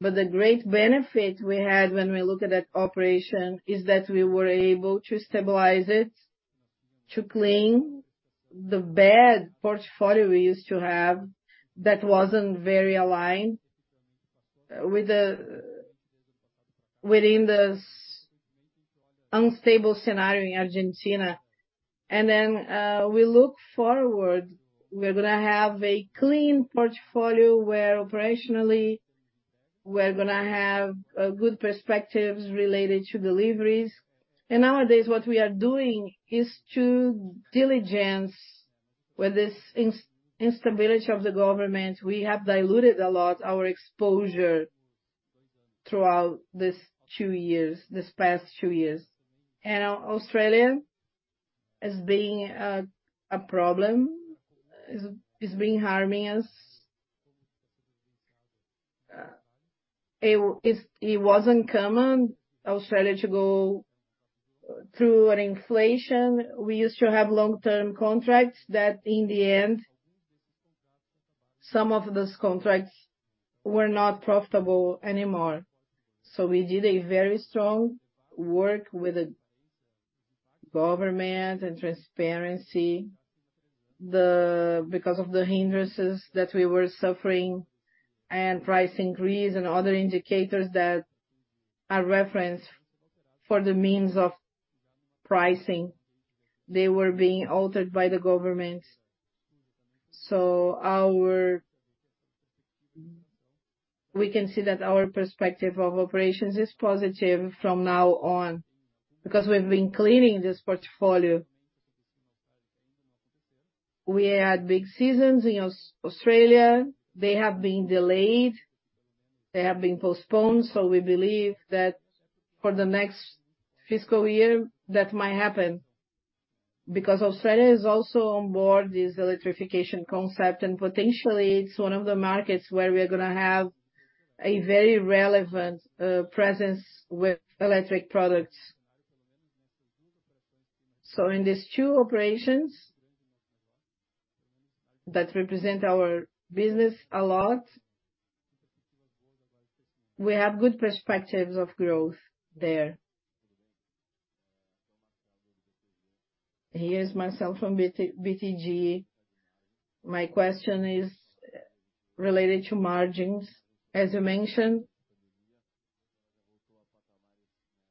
But the great benefit we had when we look at that operation, is that we were able to stabilize it, to clean the bad portfolio we used to have, that wasn't very aligned within this unstable scenario in Argentina. Then, we look forward. We're gonna have a clean portfolio where operationally, we're gonna have good perspectives related to deliveries. Nowadays, what we are doing is to diligence with this instability of the government. We have diluted a lot our exposure throughout this two years, this past two years. Australia is being a problem, is being harming us. It wasn't common, Australia to go through an inflation. We used to have long-term contracts that in the end, some of those contracts were not profitable anymore. So we did a very strong work with the government and transparency. Because of the hindrances that we were suffering, and price increase, and other indicators that are referenced for the means of pricing, they were being altered by the government. So our. We can see that our perspective of operations is positive from now on, because we've been cleaning this portfolio. We had big seasons in Australia. They have been delayed, they have been postponed, so we believe that for the next fiscal year, that might happen. Because Australia is also on board this electrification concept, and potentially, it's one of the markets where we are gonna have a very relevant presence with electric products. So in these two operations, that represent our business a lot, we have good perspectives of growth there. Here's Marcel from BTG. My question is related to margins. As you mentioned,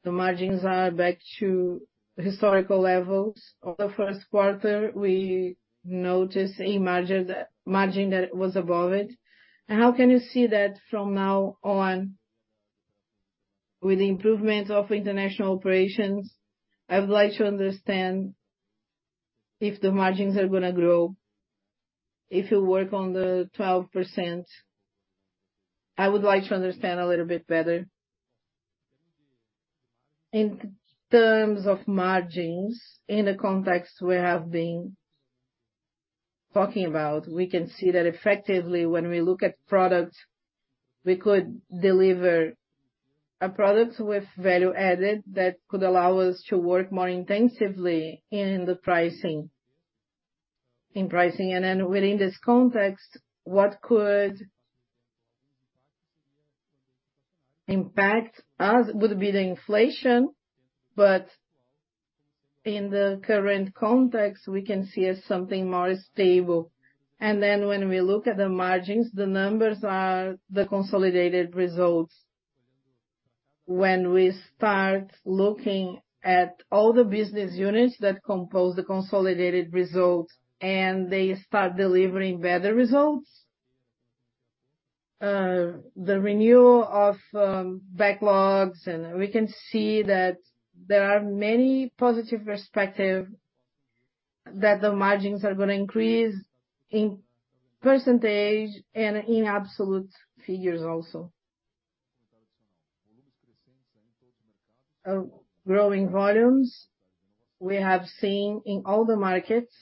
the margins are back to historical levels. On the first quarter, we noticed a margin that was above it. And how can you see that from now on, with the improvement of international operations? I would like to understand if the margins are gonna grow, if you work on the 12%. I would like to understand a little bit better. In terms of margins, in the context we have been talking about, we can see that effectively, when we look at products, we could deliver a product with value added that could allow us to work more intensively in the pricing, in pricing. And then within this context, what could impact us would be the inflation. But in the current context, we can see as something more stable. And then when we look at the margins, the numbers are the consolidated results. When we start looking at all the business units that compose the consolidated results, and they start delivering better results, the renewal of backlogs, and we can see that there are many positive perspective that the margins are gonna increase in percentage and in absolute figures also. Growing volumes, we have seen in all the markets.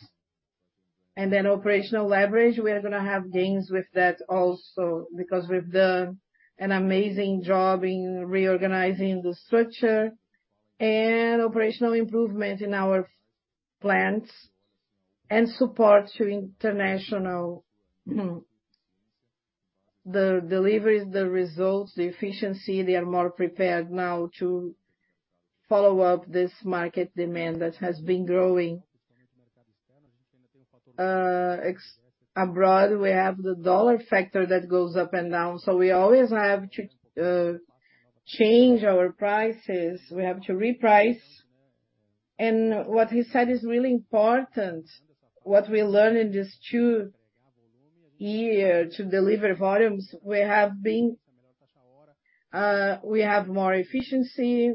And then operational leverage, we are gonna have gains with that also, because we've done an amazing job in reorganizing the structure and operational improvement in our plants, and support to international, the deliveries, the results, the efficiency, they are more prepared now to follow up this market demand that has been growing. Ex-abroad, we have the U.S. dollar factor that goes up and down, so we always have to change our prices, we have to reprice. And what he said is really important. What we learned in this two-year to deliver volumes, we have been, we have more efficiency.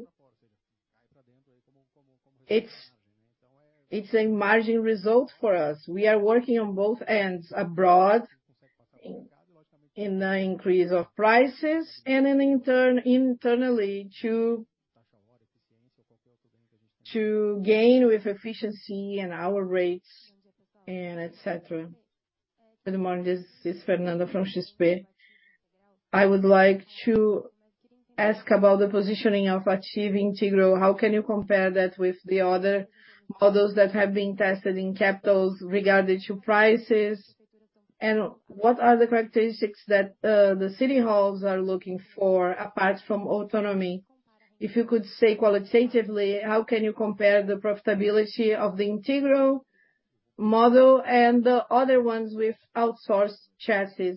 It's a margin result for us. We are working on both ends abroad, in the increase of prices and internally to gain with efficiency and our rates and et cetera. Good morning, this is Fernanda from XP. I would like to ask about the positioning of achieving Integro. How can you compare that with the other models that have been tested in capitals regarding to prices? And what are the characteristics that the city halls are looking for, apart from autonomy? If you could say qualitatively, how can you compare the profitability of the Integro model and the other ones with outsourced chassis?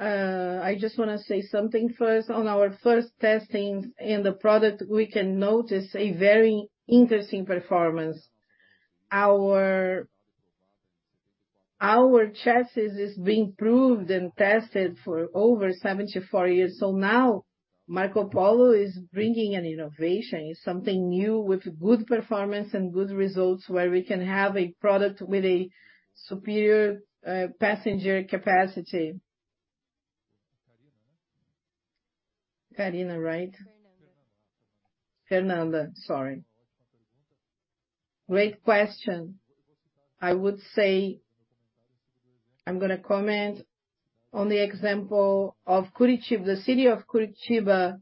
I just want to say something first. On our first testing in the product, we can notice a very interesting performance. Our chassis is being proved and tested for over 74 years. So now, Marcopolo is bringing an innovation, is something new, with good performance and good results, where we can have a product with a superior passenger capacity. Karina, right? Fernanda. Fernanda, sorry. Great question. I would say, I'm gonna comment on the example of Curitiba, the city of Curitiba.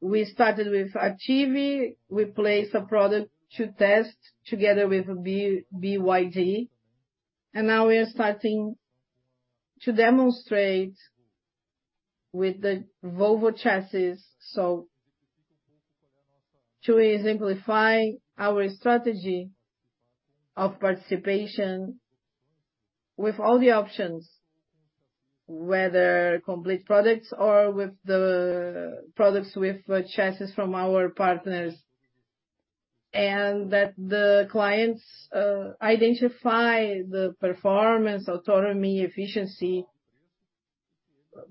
We started with ATTIVi, we placed a product to test together with a BYD, and now we are starting to demonstrate with the Volvo chassis. So to exemplify our strategy of participation with all the options, whether complete products or with the products with chassis from our partners, and that the clients identify the performance, autonomy, efficiency,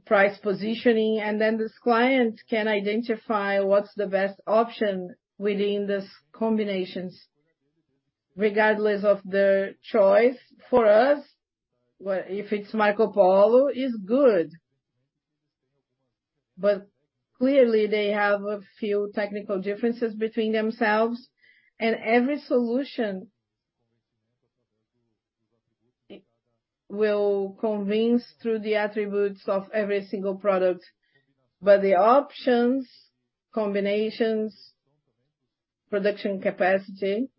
price positioning, and then this client can identify what's the best option within these combinations. Regardless of the choice for us, well, if it's Marcopolo, it's good. Clearly, they have a few technical differences between themselves, and every solution will convince through the attributes of every single product. The options, combinations, production capacity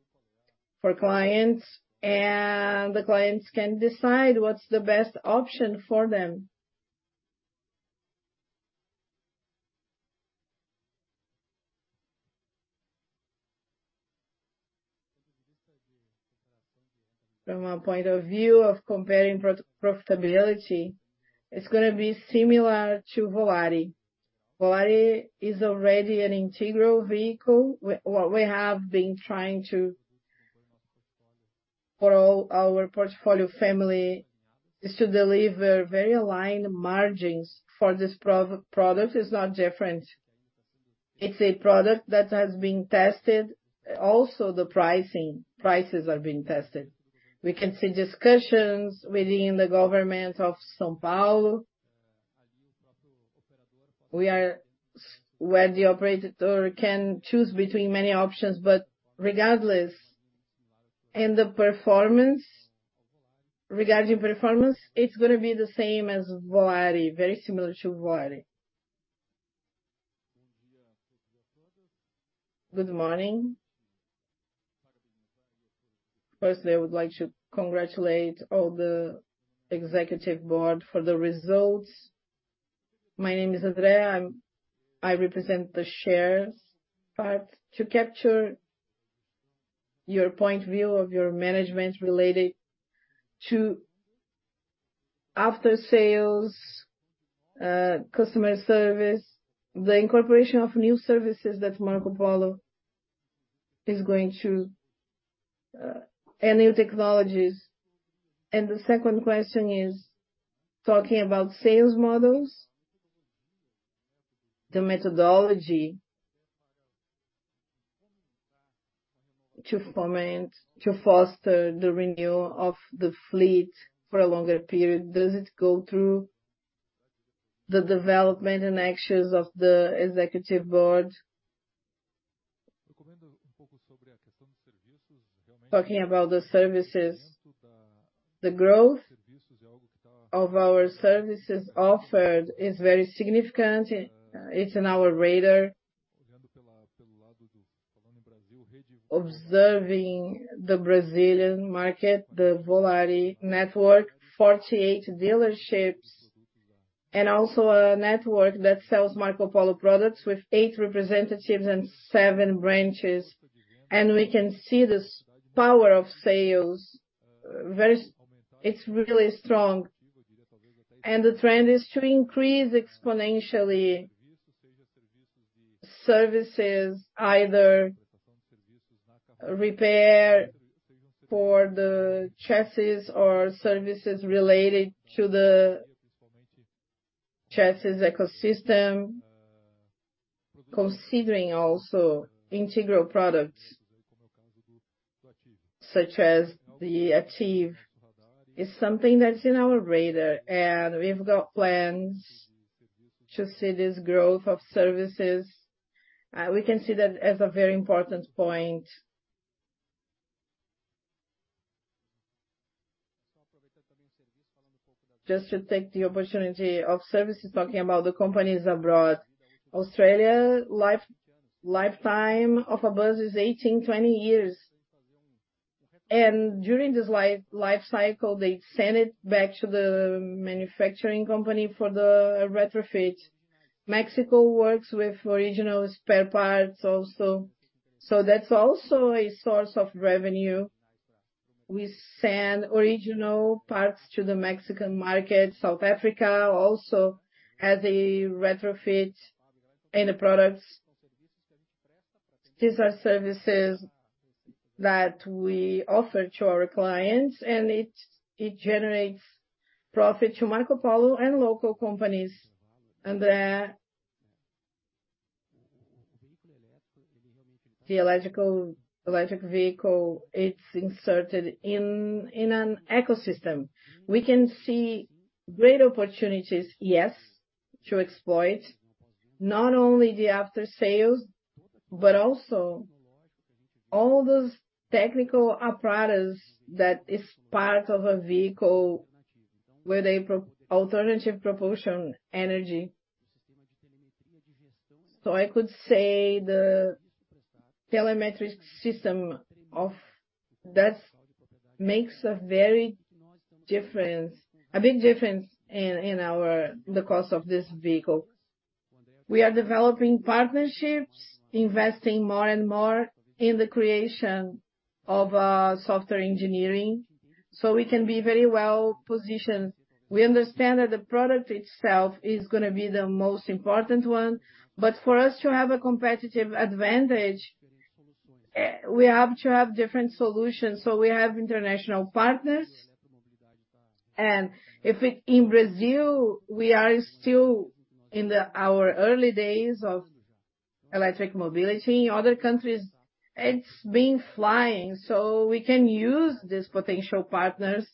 for clients, and the clients can decide what's the best option for them. From our point of view of comparing profitability, it's gonna be similar to Volare. Volare is already an integral vehicle. What we have been trying to do for all our portfolio family is to deliver very aligned margins. For this product is not different. It's a product that has been tested, also the pricing, prices are being tested. We can see discussions within the government of São Paulo where the operator can choose between many options, but regardless, and the performance, regarding performance, it's gonna be the same as Volare, very similar to Volare. Good morning. First, I would like to congratulate all the executive board for the results. My name is Andrea. I represent the shares. But to capture your point of view of your management related to after sales, customer service, the incorporation of new services that Marcopolo is going through, and new technologies. And the second question is, talking about sales models, the methodology to foment, to foster the renewal of the fleet for a longer period, does it go through the development and actions of the executive board? Talking about the services, the growth of our services offered is very significant. It's in our radar. Observing the Brazilian market, the Volare network, 48 dealerships, and also a network that sells Marcopolo products with eight representatives and seven branches. And we can see this power of sales, very, it's really strong. And the trend is to increase exponentially services, either-... Repair for the chassis or services related to the chassis ecosystem, considering also integral products, such as the ATTIVi, is something that's in our radar, and we've got plans to see this growth of services. We can see that as a very important point. Just to take the opportunity of services, talking about the companies abroad. Australia, lifetime of a bus is 18-20 years, and during this life, life cycle, they send it back to the manufacturing company for the retrofit. Mexico works with original spare parts also. So that's also a source of revenue. We send original parts to the Mexican market. South Africa also has a retrofit in the products. These are services that we offer to our clients, and it generates profit to Marcopolo and local companies. And the electrical, electric vehicle, it's inserted in an ecosystem. We can see great opportunities, yes, to exploit not only the after-sales, but also all those technical apparatus that is part of a vehicle with a pro-alternative propulsion energy. So I could say the telemetric system that makes a very difference, a big difference in our, the cost of this vehicle. We are developing partnerships, investing more and more in the creation of software engineering, so we can be very well positioned. We understand that the product itself is gonna be the most important one, but for us to have a competitive advantage, we have to have different solutions. So we have international partners, and if it in Brazil, we are still in our early days of electric mobility. In other countries, it's been flying, so we can use these potential partners,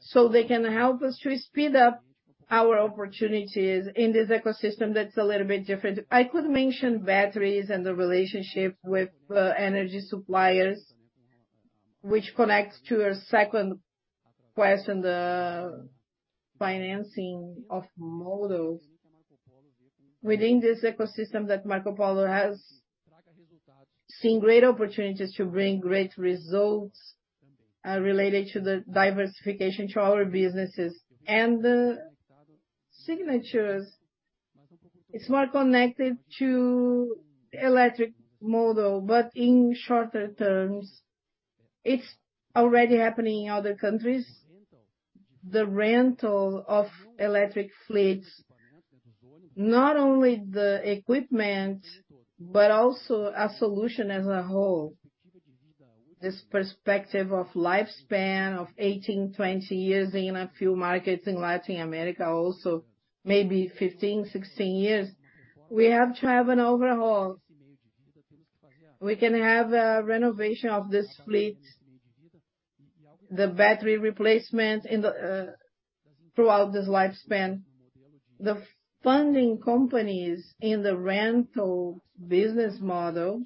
so they can help us to speed up our opportunities in this ecosystem that's a little bit different. I could mention batteries and the relationship with energy suppliers, which connects to your second question, the financing of models. Within this ecosystem that Marcopolo has seen great opportunities to bring great results related to the diversification to our businesses and the signatures. It's more connected to electric model, but in shorter terms, it's already happening in other countries. The rental of electric fleets, not only the equipment, but also a solution as a whole. This perspective of lifespan of 18-20 years in a few markets in Latin America, also maybe 15-16 years, we have to have an overhaul. We can have a renovation of this fleet, the battery replacement in the throughout this lifespan. The funding companies in the rental business model,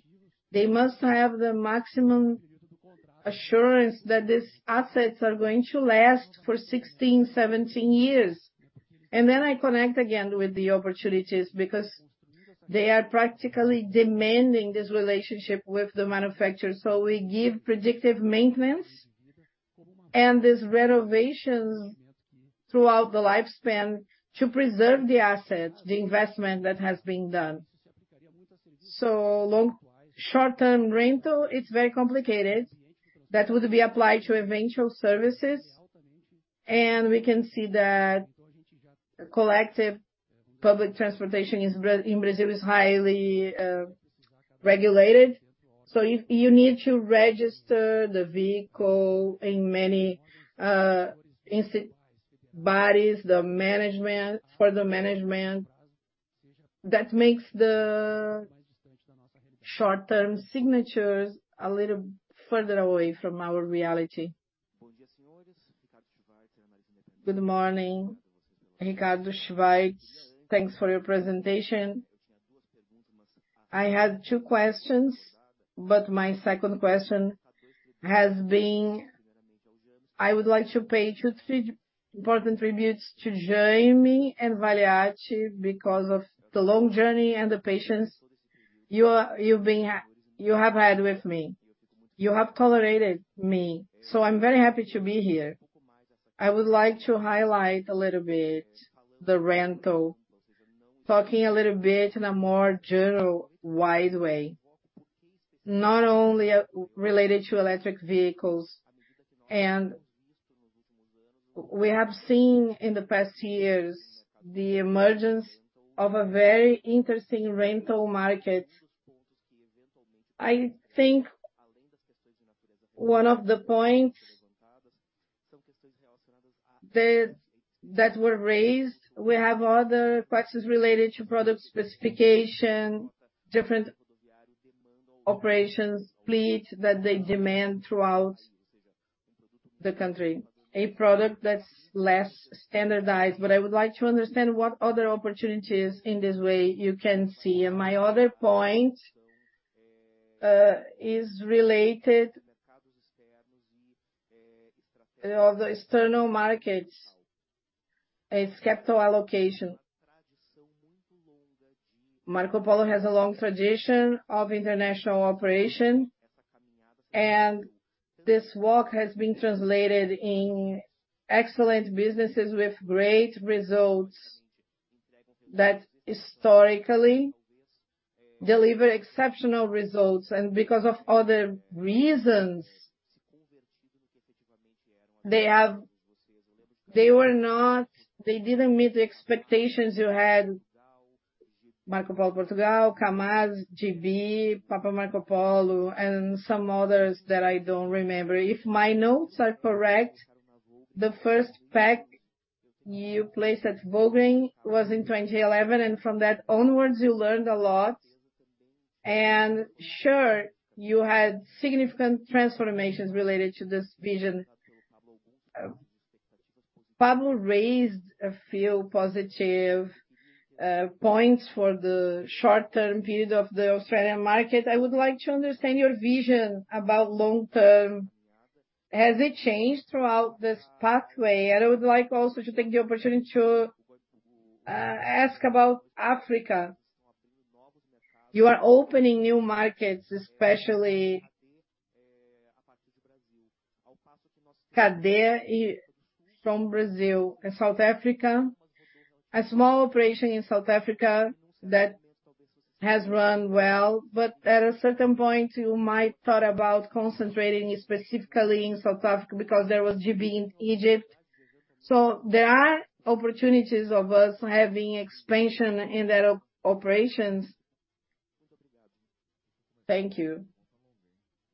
they must have the maximum assurance that these assets are going to last for 16, 17 years. Then I connect again with the opportunities because they are practically demanding this relationship with the manufacturer. We give predictive maintenance and these renovations throughout the lifespan to preserve the assets, the investment that has been done. Short-term rental, it's very complicated. That would be applied to eventual services, and we can see that collective public transportation in Brazil is highly regulated. You need to register the vehicle in many institutions, bodies, the management, for the management. That makes the short-term signatures a little further away from our reality. Good morning, Ricardo Schweitzer. Thanks for your presentation. I had two questions, but my second question has been... I would like to pay two, three important tributes to Jaime and Valiati, because of the long journey and the patience you have had with me. You have tolerated me, so I'm very happy to be here. I would like to highlight a little bit the rental, talking a little bit in a more general, wide way, not only related to electric vehicles, and-... We have seen in the past years, the emergence of a very interesting rental market. I think one of the points that were raised, we have other questions related to product specification, different operations, fleet that they demand throughout the country. A product that's less standardized, but I would like to understand what other opportunities in this way you can see. My other point is related to the external markets; it's capital allocation. Marcopolo has a long tradition of international operation, and this work has been translated into excellent businesses with great results that historically deliver exceptional results, and because of other reasons, they didn't meet the expectations you had. Marcopolo Portugal, Kamaz, GV, Papa Marcopolo, and some others that I don't remember. If my notes are correct, the first pack you placed at Volgren was in 2011, and from that onwards, you learned a lot. Sure, you had significant transformations related to this vision. Pablo raised a few positive points for the short-term period of the Australian market. I would like to understand your vision about long-term. Has it changed throughout this pathway? I would like also to take the opportunity to ask about Africa. You are opening new markets, especially Kenya from Brazil and South Africa. A small operation in South Africa that has run well, but at a certain point, you might thought about concentrating specifically in South Africa because there was GV in Egypt. So there are opportunities of us having expansion in that operations. Thank you.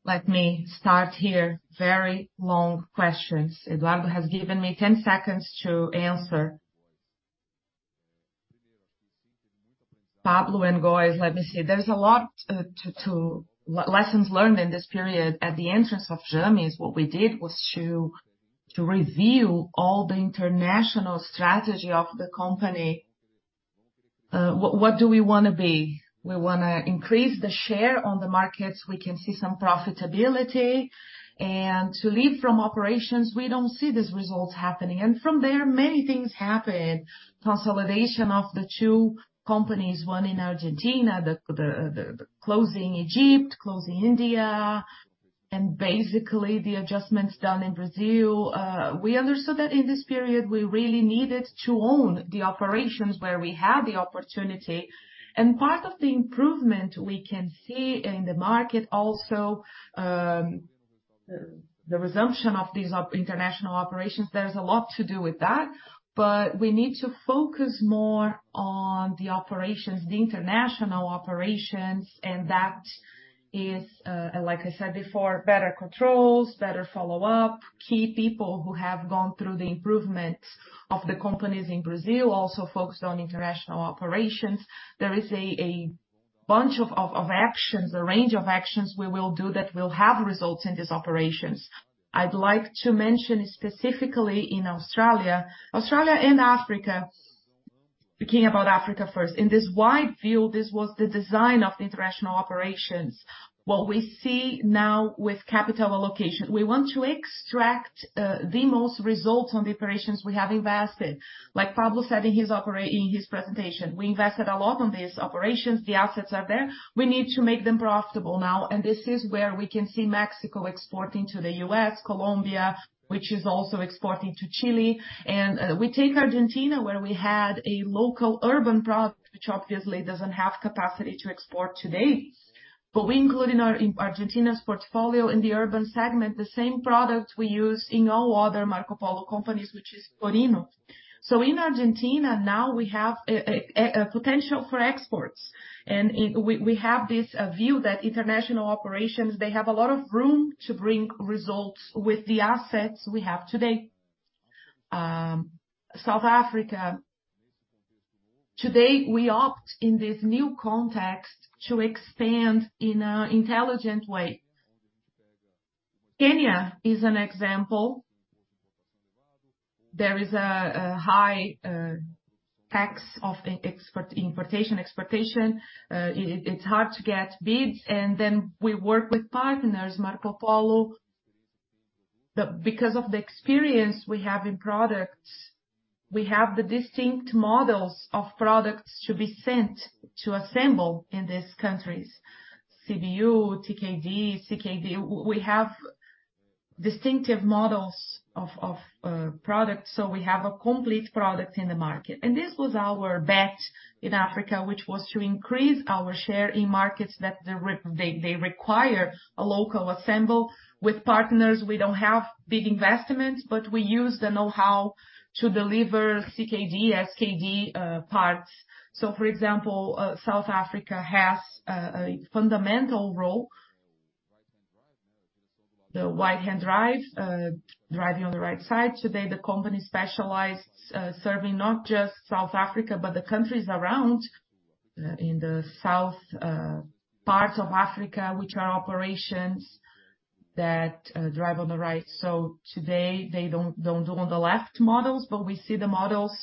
Let me start here. Very long questions. Eduardo has given me 10 seconds to answer. Pablo and guys, let me say, there's a lot to lessons learned in this period. At the entrance of GERMS, what we did was to review all the international strategy of the company. What do we wanna be? We wanna increase the share on the markets. We can see some profitability, and to leave from operations, we don't see these results happening. From there, many things happened. Consolidation of the two companies, one in Argentina, closing Egypt, closing India, and basically, the adjustments done in Brazil. We understood that in this period, we really needed to own the operations where we had the opportunity. Part of the improvement we can see in the market also, the resumption of these international operations, there's a lot to do with that, but we need to focus more on the operations, the international operations, and that is, like I said before, better controls, better follow-up. Key people who have gone through the improvements of the companies in Brazil, also focused on international operations. There is a bunch of actions, a range of actions we will do that will have results in these operations. I'd like to mention specifically in Australia. Australia and Africa. Speaking about Africa first, in this wide view, this was the design of the international operations. What we see now with capital allocation, we want to extract the most results on the operations we have invested. Like Pablo said in his presentation, we invested a lot on these operations. The assets are there. We need to make them profitable now, and this is where we can see Mexico exporting to the U.S., Colombia, which is also exporting to Chile. We take Argentina, where we had a local urban product, which obviously doesn't have capacity to export today. But we include in our Argentina's portfolio in the urban segment, the same product we use in all other Marcopolo companies, which is Torino. So in Argentina now, we have a potential for exports, and we have this view that international operations, they have a lot of room to bring results with the assets we have today. South Africa, today, we opt in this new context to expand in a intelligent way. Kenya is an example. There is a high tax of export, importation, exportation. It's hard to get bids, and then we work with partners, Marcopolo. But because of the experience we have in products, we have the distinct models of products to be sent to assemble in these countries. CBU, TKD, CKD, we have distinctive models of products, so we have a complete product in the market. And this was our bet in Africa, which was to increase our share in markets that they require a local assemble. With partners, we don't have big investments, but we use the know-how to deliver CKD, SKD, parts. So for example, South Africa has a fundamental role. The right-hand drive, driving on the right side. Today, the company specializes serving not just South Africa, but the countries around in the south parts of Africa, which are operations that drive on the right. So today, they don't do on the left models, but we see the models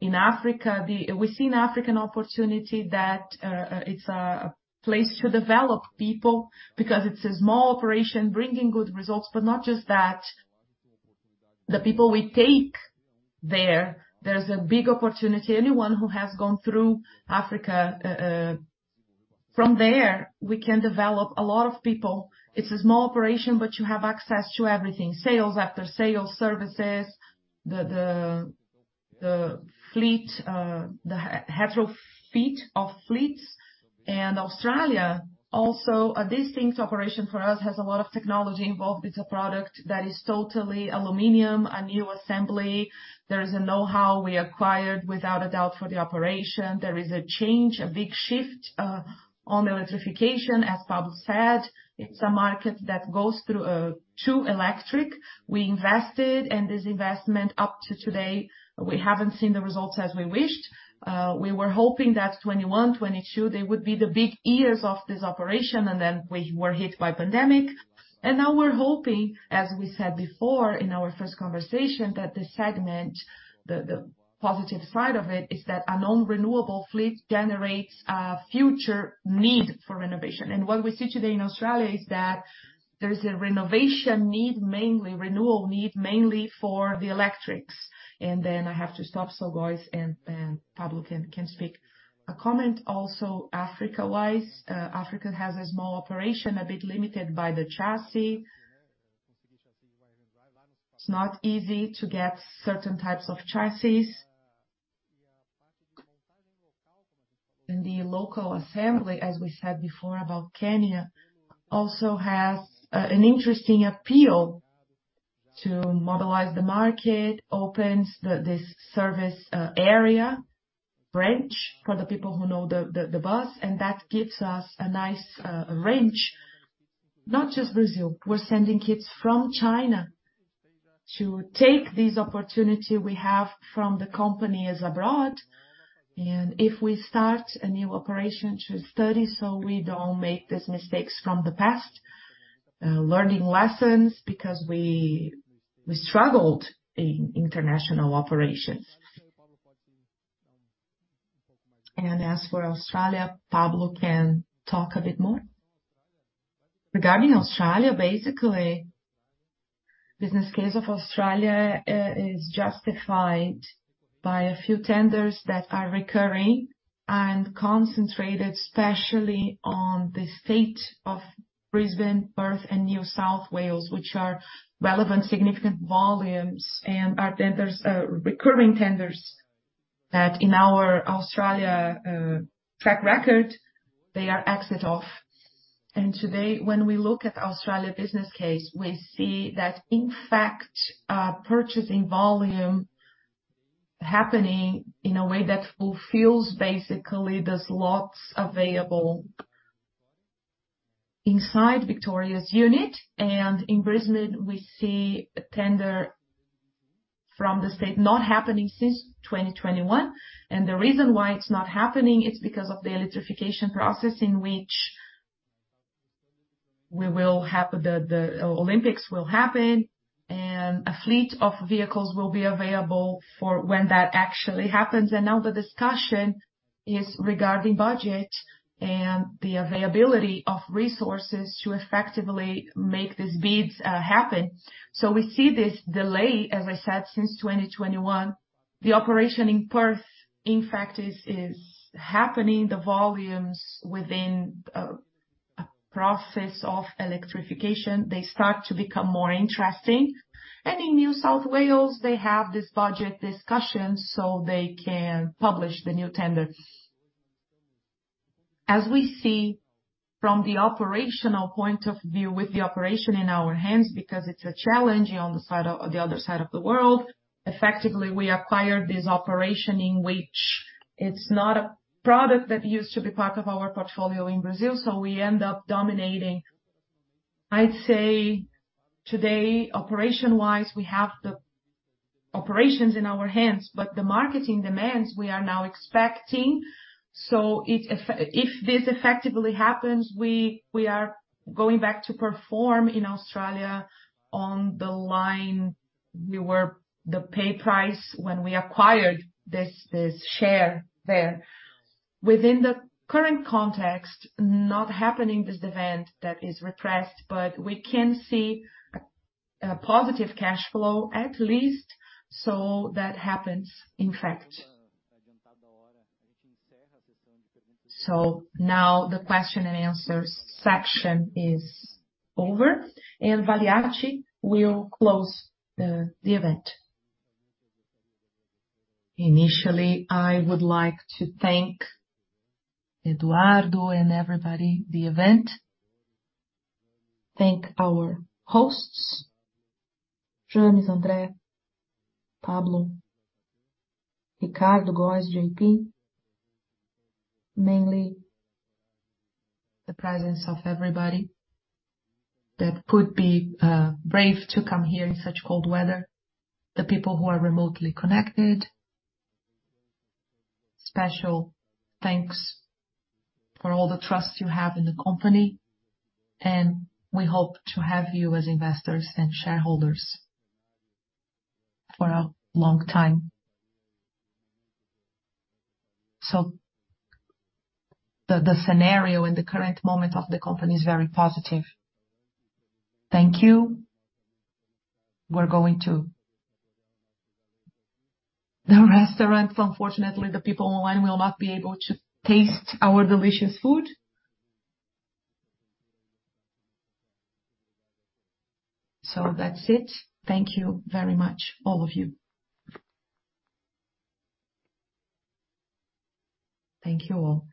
in Africa. We see an African opportunity that it's a place to develop people because it's a small operation, bringing good results. But not just that, the people we take there, there's a big opportunity. Anyone who has gone through Africa from there, we can develop a lot of people. It's a small operation, but you have access to everything: sales, after-sales, services, the fleet, the heterogeneous fleet of fleets. And Australia, also, a distinct operation for us, has a lot of technology involved. It's a product that is totally aluminum, a new assembly. There is a know-how we acquired, without a doubt, for the operation. There is a change, a big shift on the electrification, as Pablo said. It's a market that goes through to electric. We invested, and this investment, up to today, we haven't seen the results as we wished. We were hoping that 2021, 2022, they would be the big years of this operation, and then we were hit by pandemic. And now we're hoping, as we said before in our first conversation, that the segment... The positive side of it is that a non-renewable fleet generates a future need for renovation. And what we see today in Australia is that there's a renovation need, mainly renewal need, mainly for the electrics. And then I have to stop, so guys and Pablo can speak. A comment also, Africa-wise, Africa has a small operation, a bit limited by the chassis. It's not easy to get certain types of chassis. The local assembly, as we said before about Kenya, also has an interesting appeal to mobilize the market, opens the this service area branch for the people who know the bus, and that gives us a nice range. Not just Brazil, we're sending kits from China to take this opportunity we have from the companies abroad. If we start a new operation, to study so we don't make these mistakes from the past, learning lessons, because we struggled in international operations. As for Australia, Pablo can talk a bit more. Regarding Australia, basically, business case of Australia is justified by a few tenders that are recurring and concentrated, especially on the state of Brisbane, Perth, and New South Wales, which are relevant, significant volumes and are tenders, recurring tenders, that in our Australia track record, they are exit off. Today, when we look at the Australia business case, we see that, in fact, purchasing volume happening in a way that fulfills, basically, those lots available inside Victoria's unit. In Brisbane, we see a tender from the state not happening since 2021, and the reason why it's not happening is because of the electrification process in which we will have the Olympics will happen, and a fleet of vehicles will be available for when that actually happens. And now the discussion is regarding budget and the availability of resources to effectively make these bids happen. So we see this delay, as I said, since 2021. The operation in Perth, in fact, is happening. The volumes within a process of electrification, they start to become more interesting. And in New South Wales, they have this budget discussion, so they can publish the new tenders. As we see from the operational point of view, with the operation in our hands, because it's a challenge on the side of the other side of the world, effectively, we acquired this operation in which it's not a product that used to be part of our portfolio in Brazil, so we end up dominating. I'd say today, operation-wise, we have the operations in our hands, but the marketing demands, we are now expecting. So if this effectively happens, we are going back to perform in Australia on the line we were the price paid when we acquired this share there. Within the current context, not happening, this event, that is expected, but we can see a positive cash flow, at least, so that happens, in fact. So now the question and answer section is over, and Valiati will close the event. Initially, I would like to thank Eduardo and everybody, the event. Thank our hosts, James, André, Pablo, Ricardo, Goes, JP. Mainly, the presence of everybody that could be brave to come here in such cold weather. The people who are remotely connected, special thanks for all the trust you have in the company, and we hope to have you as investors and shareholders for a long time. So the scenario in the current moment of the company is very positive. Thank you. We're going to the restaurant. Unfortunately, the people online will not be able to taste our delicious food. So that's it. Thank you very much, all of you. Thank you all.